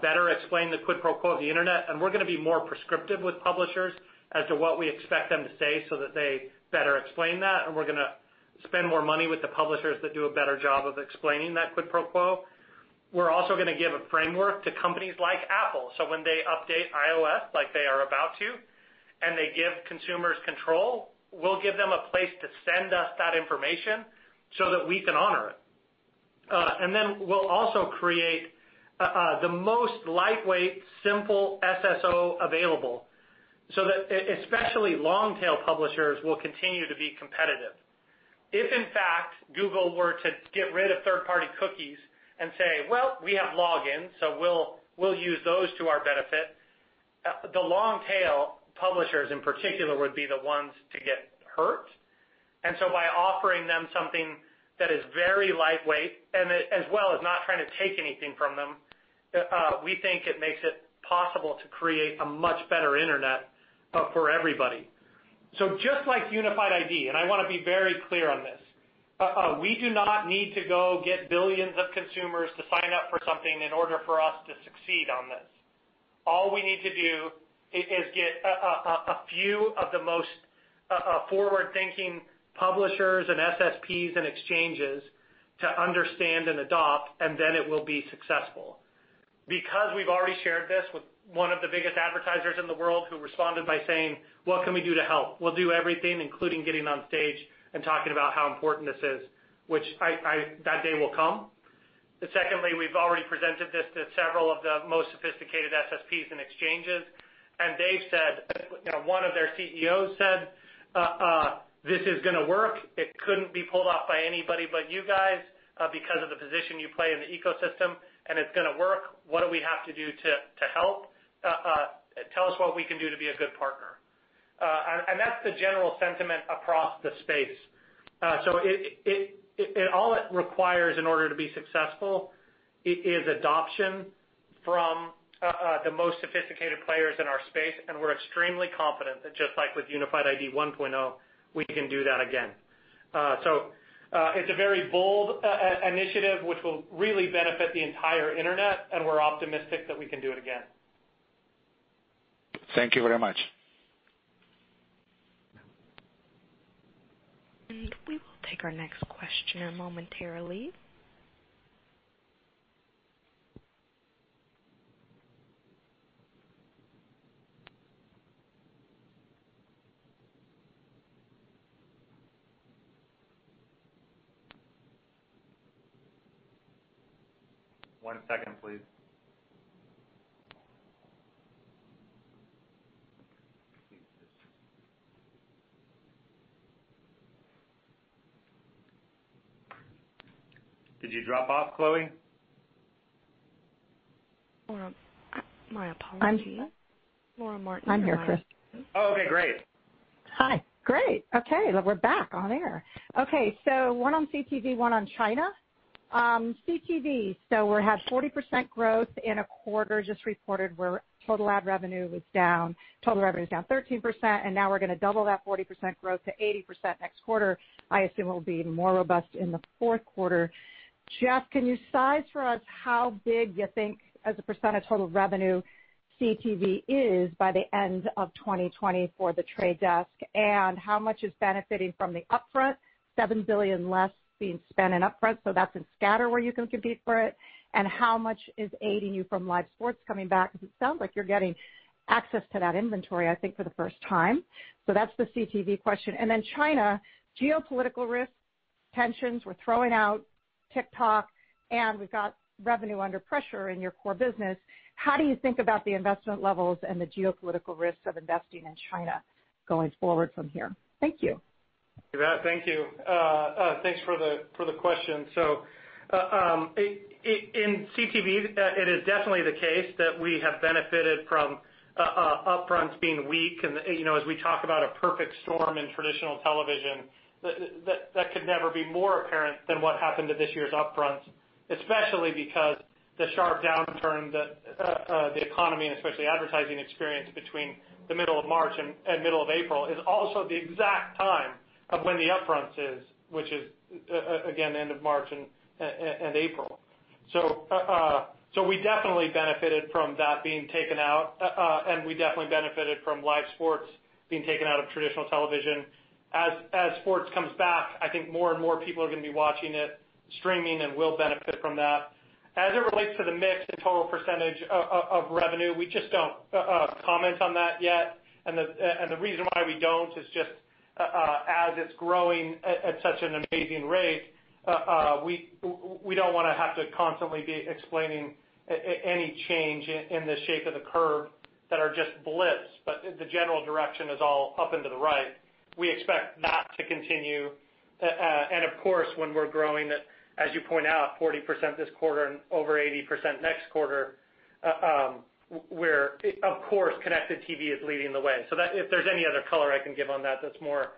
better explain the quid pro quo of the internet. We're going to be more prescriptive with publishers as to what we expect them to say so that they better explain that. We're going to spend more money with the publishers that do a better job of explaining that quid pro quo. We're also going to give a framework to companies like Apple. When they update iOS, like they are about to, and they give consumers control, we'll give them a place to send us that information so that we can honor it. Then we'll also create the most lightweight, simple SSO available so that especially long-tail publishers will continue to be competitive. If, in fact, Google were to get rid of third-party cookies and say, "Well, we have login, so we'll use those to our benefit," the long-tail publishers, in particular, would be the ones to get hurt. And so by offering them something that is very lightweight and as well as not trying to take anything from them, we think it makes it possible to create a much better internet for everybody. Just like Unified ID, and I want to be very clear on this, we do not need to go get billions of consumers to sign up for something in order for us to succeed on this. All we need to do is get a few of the most forward-thinking publishers and SSPs and exchanges to understand and adopt, and then it will be successful. We've already shared this with one of the biggest advertisers in the world who responded by saying, "What can we do to help? We'll do everything, including getting on stage and talking about how important this is," which that day will come. Secondly, we've already presented this to several of the most sophisticated SSPs and exchanges, and they've said, one of their CEOs said, "This is going to work. It couldn't be pulled off by anybody but you guys because of the position you play in the ecosystem, and it's going to work. What do we have to do to help? Tell us what we can do to be a good partner." That's the general sentiment across the space. All it requires in order to be successful is adoption from the most sophisticated players in our space, and we're extremely confident that just like with Unified ID 1.0, we can do that again. It's a very bold initiative which will really benefit the entire internet, and we're optimistic that we can do it again. Thank you very much. We will take our next question momentarily. One second, please. Did you drop off, Chloe? My apologies. Laura Martin. I'm here, Chris. Oh, okay, great. Hi. Great. Okay, we're back on air. Okay, one on CTV, one on China. CTV, we had 40% growth in a quarter just reported where total ad revenue was down 13%, now we're going to double that 40% growth to 80% next quarter. I assume it will be even more robust in the fourth quarter. Jeff, can you size for us how big you think as a percent of total revenue CTV is by the end of 2020 for The Trade Desk? How much is benefiting from the upfront, $7 billion less being spent in upfront, that's in scatter where you can compete for it. How much is aiding you from live sports coming back? Because it sounds like you're getting access to that inventory, I think, for the first time. That's the CTV question. China, geopolitical risk, tensions. We're throwing out TikTok, and we've got revenue under pressure in your core business. How do you think about the investment levels and the geopolitical risks of investing in China going forward from here? Thank you. Thank you. Thanks for the question. In CTV, it is definitely the case that we have benefited from upfronts being weak. As we talk about a perfect storm in traditional television, that could never be more apparent than what happened to this year's upfronts, especially because the sharp downturn the economy and especially advertising experienced between the middle of March and middle of April is also the exact time of when the upfront is, which is again end of March and April. We definitely benefited from that being taken out, and we definitely benefited from live sports being taken out of traditional television. As sports comes back, I think more and more people are going to be watching it streaming and will benefit from that. As it relates to the mix, the total percentage of revenue, we just don't comment on that yet. The reason why we don't is just as it's growing at such an amazing rate, we don't want to have to constantly be explaining any change in the shape of the curve that are just blips, but the general direction is all up and to the right. We expect that to continue. Of course, when we're growing, as you point out, 40% this quarter and over 80% next quarter, where, of course, connected TV is leading the way. If there's any other color I can give on that that's more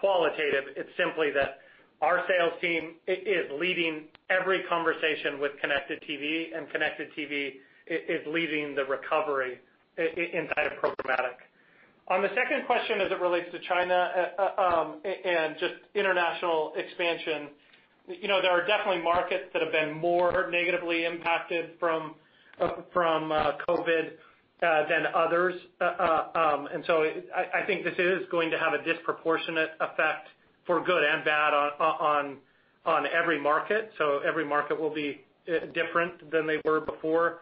qualitative, it's simply that our sales team is leading every conversation with connected TV, and connected TV is leading the recovery inside of programmatic. On the second question, as it relates to China and just international expansion, there are definitely markets that have been more negatively impacted from COVID than others. I think this is going to have a disproportionate effect for good and bad on every market. Every market will be different than they were before.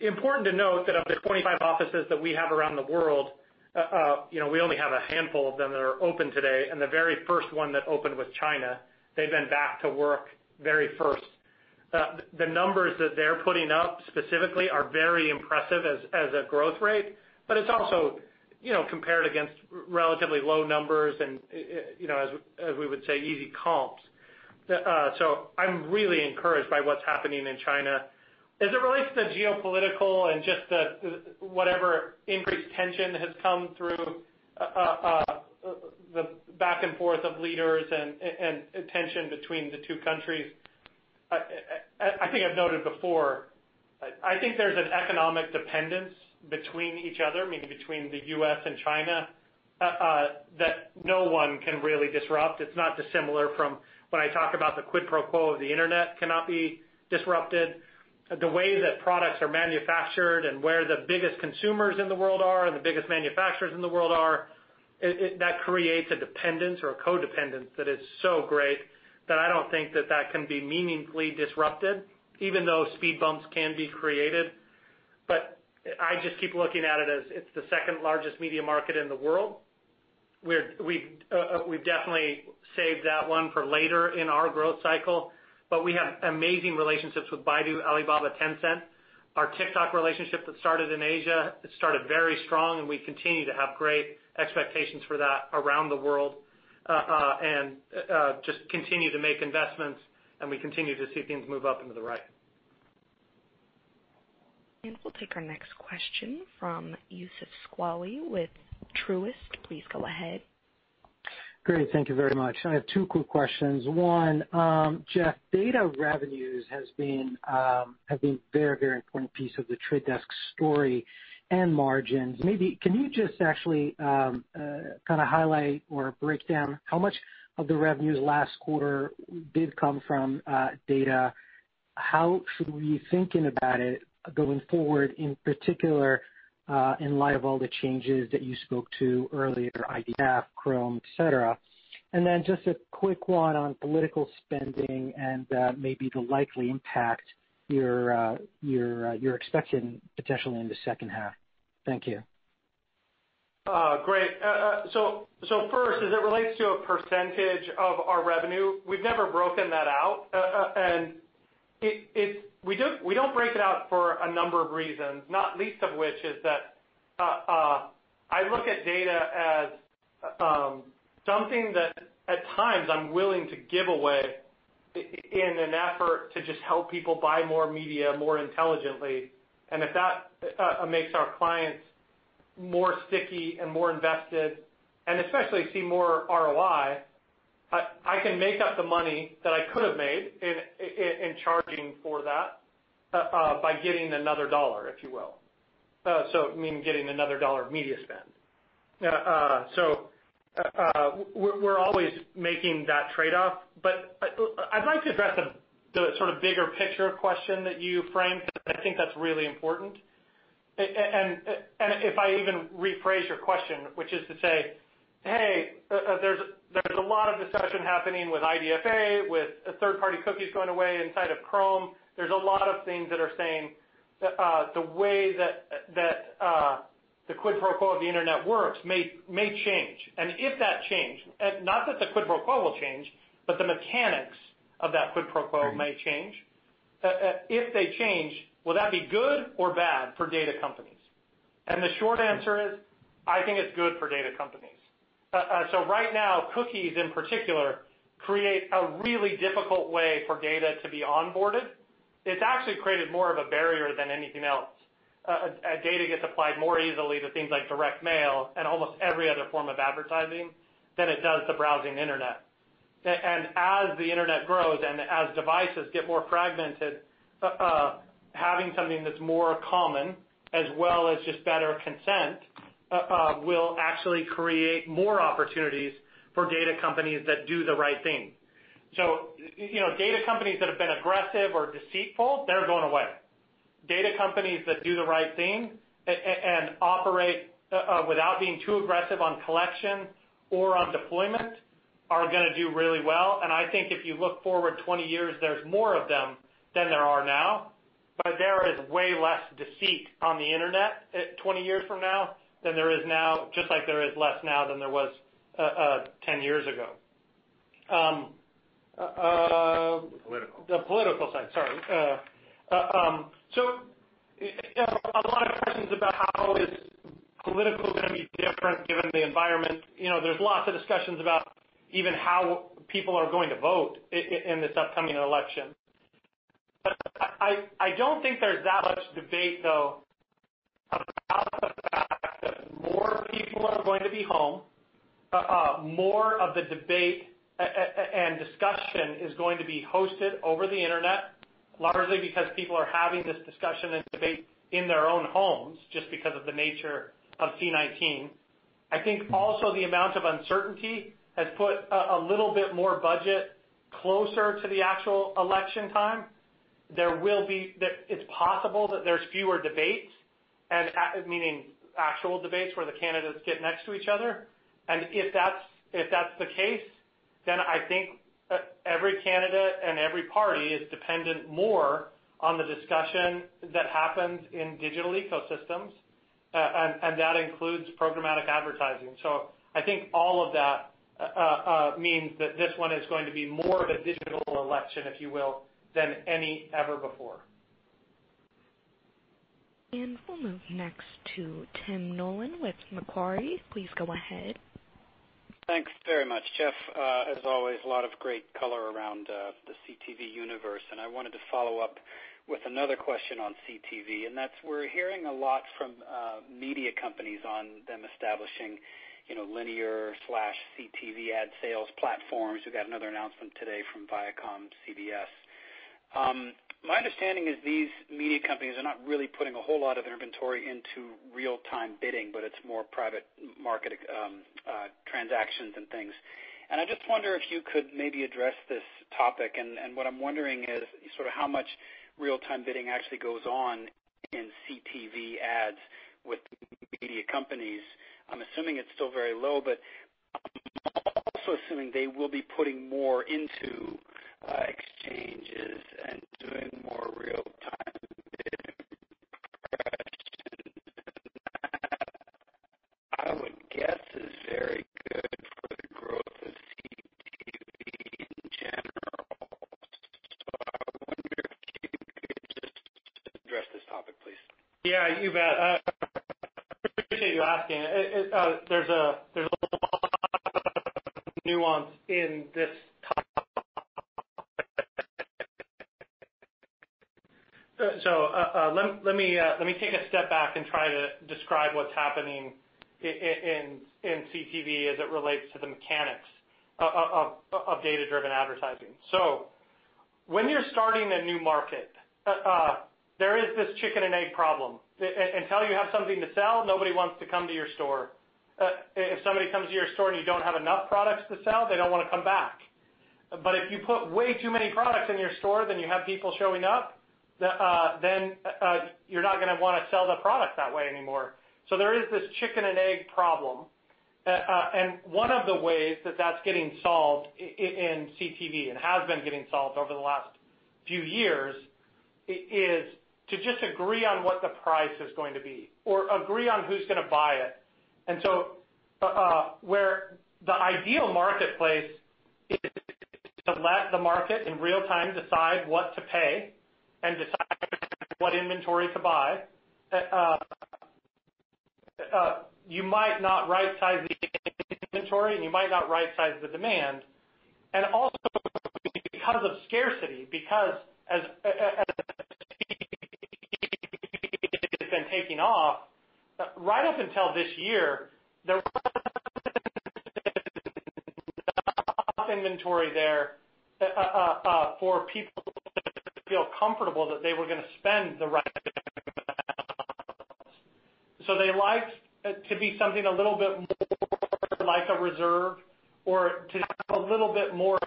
Important to note that of the 25 offices that we have around the world, we only have a handful of them that are open today. The very first one that opened was China. They've been back to work very first. The numbers that they're putting up specifically are very impressive as a growth rate, but it's also compared against relatively low numbers and, as we would say, easy comps. I'm really encouraged by what's happening in China. As it relates to geopolitical and just the whatever increased tension has come through, the back and forth of leaders and tension between the two countries, I think I've noted before, I think there's an economic dependence between each other, meaning between the U.S. and China, that no one can really disrupt. It's not dissimilar from when I talk about the quid pro quo of the Internet cannot be disrupted. The way that products are manufactured and where the biggest consumers in the world are, and the biggest manufacturers in the world are, that creates a dependence or a co-dependence that is so great that I don't think that that can be meaningfully disrupted, even though speed bumps can be created. I just keep looking at it as it's the second largest media market in the world. We've definitely saved that one for later in our growth cycle. We have amazing relationships with Baidu, Alibaba, Tencent. Our TikTok relationship that started in Asia, it started very strong and we continue to have great expectations for that around the world. Just continue to make investments, and we continue to see things move up and to the right. We'll take our next question from Youssef Squali with Truist. Please go ahead. Great. Thank you very much. I have two quick questions. One, Jeff, data revenues have been a very important piece of The Trade Desk story and margins. Maybe can you just actually kind of highlight or break down how much of the revenues last quarter did come from data? How should we be thinking about it going forward, in particular, in light of all the changes that you spoke to earlier, IDFA, Chrome, et cetera? Just a quick one on political spending and maybe the likely impact you're expecting potentially in the second half. Thank you. Great. First, as it relates to a percentage of our revenue, we've never broken that out. We don't break it out for a number of reasons, not least of which is that I look at data as something that, at times, I'm willing to give away in an effort to just help people buy more media more intelligently. If that makes our clients more sticky and more invested, and especially see more ROI, I can make up the money that I could have made in charging for that by getting another dollar, if you will. Meaning getting another dollar of media spend. We're always making that trade-off, but I'd like to address the sort of bigger picture question that you framed because I think that's really important. If I even rephrase your question, which is to say, hey, there's a lot of discussion happening with IDFA, with third-party cookies going away inside of Chrome. There's a lot of things that are saying the way that the quid pro quo of the Internet works may change. If that change, not that the quid pro quo will change, but the mechanics of that quid pro quo may change. If they change, will that be good or bad for data companies? The short answer is, I think it's good for data companies. Right now, cookies in particular create a really difficult way for data to be onboarded. It's actually created more of a barrier than anything else. Data gets applied more easily to things like direct mail and almost every other form of advertising than it does the browsing Internet. As the Internet grows and as devices get more fragmented, having something that's more common as well as just better consent, will actually create more opportunities for data companies that do the right thing. Data companies that have been aggressive or deceitful, they're going away. Data companies that do the right thing and operate without being too aggressive on collection or on deployment are going to do really well. I think if you look forward 20 years, there's more of them than there are now. There is way less deceit on the Internet 20 years from now than there is now, just like there is less now than there was 10 years ago. The political. The political side, sorry. A lot of questions about how is political going to be different given the environment. There's lots of discussions about even how people are going to vote in this upcoming election. I don't think there's that much debate, though, about the fact that more people are going to be home. More of the debate and discussion is going to be hosted over the internet, largely because people are having this discussion and debate in their own homes just because of the nature of C-19. I think also the amount of uncertainty has put a little bit more budget closer to the actual election time. It's possible that there's fewer debates, meaning actual debates where the candidates get next to each other. If that's the case, then I think every candidate and every party is dependent more on the discussion that happens in digital ecosystems, and that includes programmatic advertising. I think all of that means that this one is going to be more of a digital election, if you will, than any ever before. We'll move next to Tim Nollen with Macquarie. Please go ahead. Thanks very much. Jeff, as always, a lot of great color around the CTV universe. I wanted to follow up with another question on CTV, and that's we're hearing a lot from media companies on them establishing linear/CTV ad sales platforms. We got another announcement today from ViacomCBS. My understanding is these media companies are not really putting a whole lot of inventory into real-time bidding, but it's more private market transactions and things. I just wonder if you could maybe address this topic. What I'm wondering is sort of how much real-time bidding actually goes on in CTV ads with media companies. I'm assuming it's still very low, but I'm also assuming they will be putting more into exchanges and doing more real-time bidding impressions than that. I would guess is very good for the growth of CTV in general. I wonder if you could just address this topic, please. Yeah, you bet. I appreciate you asking. There's a lot of nuance in this topic. Let me take a step back and try to describe what's happening in CTV as it relates to the mechanics of data-driven advertising. When you're starting a new market, there is this chicken and egg problem. Until you have something to sell, nobody wants to come to your store. If somebody comes to your store and you don't have enough products to sell, they don't want to come back. If you put way too many products in your store, then you have people showing up, then you're not going to want to sell the product that way anymore. There is this chicken and egg problem. One of the ways that that's getting solved in CTV and has been getting solved over the last few years is to just agree on what the price is going to be or agree on who's going to buy it. Where the ideal marketplace is to let the market in real time decide what to pay and decide what inventory to buy, you might not right size the inventory, and you might not right size the demand. Also because of scarcity, because as CTV has been taking off, right up until this year, there wasn't enough inventory there for people to feel comfortable that they were going to spend the right amount. They like it to be something a little bit more like a reserve or to have a little bit more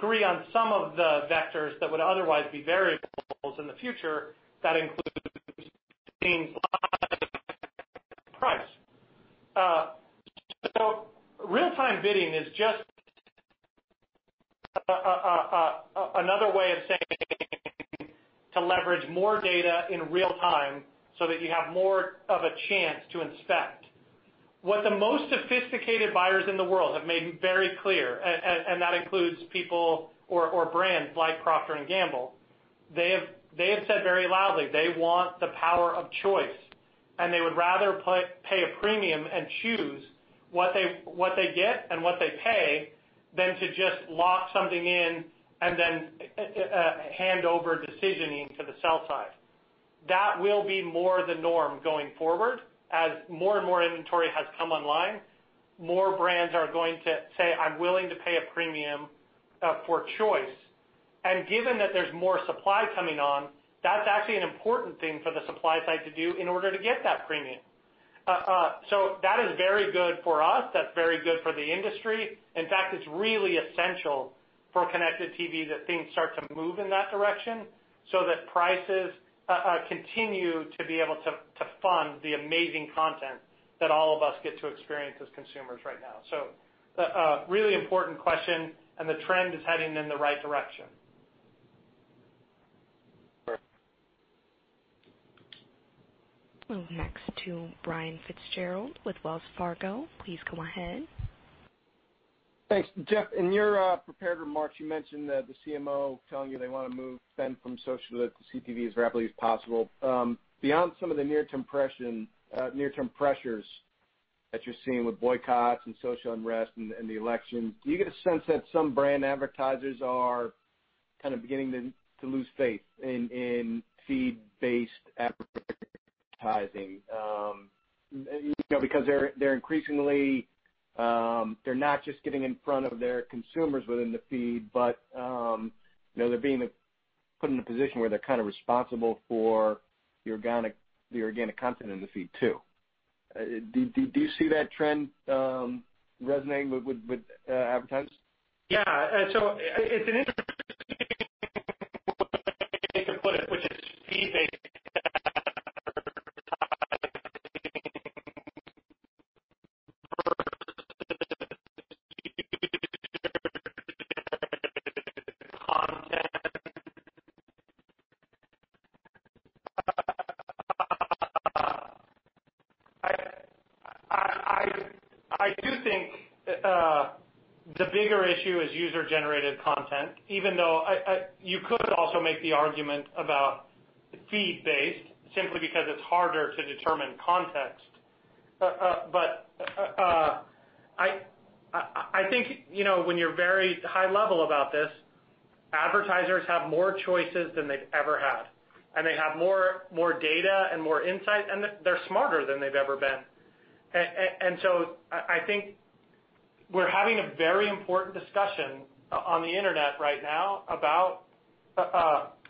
of a reassurance that they're actually going to spend. One of the ways they've done that is create these marketplaces where you basically create a deal and you agree on some of the vectors that would otherwise be variables in the future. That includes things like price. Real-time bidding is just another way of saying to leverage more data in real time so that you have more of a chance to inspect. What the most sophisticated buyers in the world have made very clear, and that includes people or brands like Procter & Gamble. They have said very loudly, they want the power of choice, and they would rather pay a premium and choose what they get and what they pay than to just lock something in and then hand over decisioning to the sell side. That will be more the norm going forward. As more and more inventory has come online, more brands are going to say, "I'm willing to pay a premium for choice." Given that there's more supply coming on, that's actually an important thing for the supply side to do in order to get that premium. So that is very good for us. That's very good for the industry. In fact, it's really essential for connected TV that things start to move in that direction so that prices continue to be able to fund the amazing content that all of us get to experience as consumers right now. A really important question, and the trend is heading in the right direction. Great. We'll go next to Brian Fitzgerald with Wells Fargo. Please go ahead. Thanks. Jeff, in your prepared remarks, you mentioned the CMO telling you they want to move spend from social to CTV as rapidly as possible. Beyond some of the near-term pressures that you're seeing with boycotts and social unrest and the election, do you get a sense that some brand advertisers are kind of beginning to lose faith in feed-based advertising? They're not just getting in front of their consumers within the feed, but they're being put in a position where they're kind of responsible for the organic content in the feed, too. Do you see that trend resonating with advertisers? Yeah. It's an interesting way to put it, which is feed-based advertising versus user content. I do think the bigger issue is user-generated content, even though you could also make the argument about feed-based simply because it's harder to determine context. I think, when you're very high level about this, advertisers have more choices than they've ever had, and they have more data and more insight, and they're smarter than they've ever been. I think we're having a very important discussion on the Internet right now about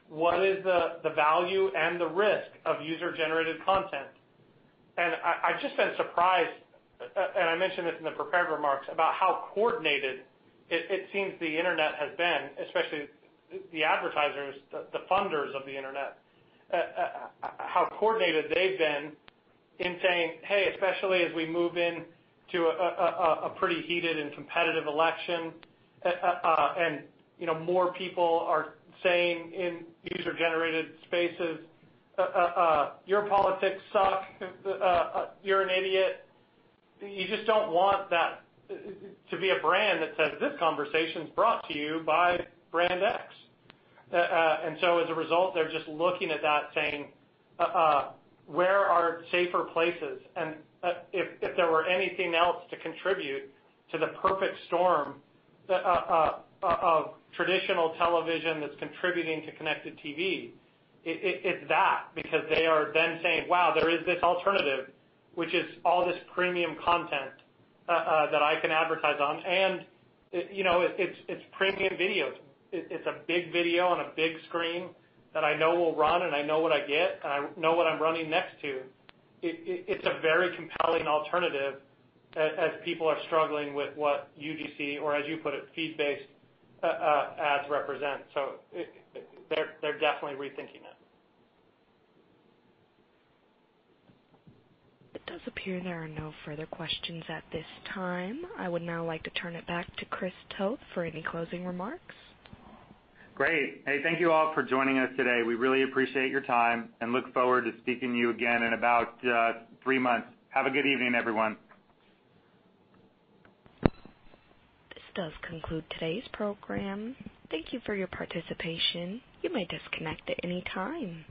what is the value and the risk of user-generated content. I've just been surprised, and I mentioned this in the prepared remarks, about how coordinated it seems the Internet has been, especially the advertisers, the funders of the Internet how coordinated they've been in saying, "Hey," especially as we move into a pretty heated and competitive election, and more people are saying in user-generated spaces, "Your politics suck. You're an idiot." You just don't want that to be a brand that says, "This conversation's brought to you by brand X." As a result, they're just looking at that saying, "Where are safer places?" If there were anything else to contribute to the perfect storm of traditional television that's contributing to connected TV, it's that, because they are then saying, "Wow, there is this alternative, which is all this premium content that I can advertise on, and it's premium video. It's a big video on a big screen that I know will run, and I know what I get, and I know what I'm running next to." It's a very compelling alternative as people are struggling with what UGC, or as you put it, feed-based ads represent. They're definitely rethinking it. It does appear there are no further questions at this time. I would now like to turn it back to Chris Toth for any closing remarks. Great. Hey, thank you all for joining us today. We really appreciate your time and look forward to speaking to you again in about three months. Have a good evening, everyone. This does conclude today's program. Thank you for your participation. You may disconnect at any time.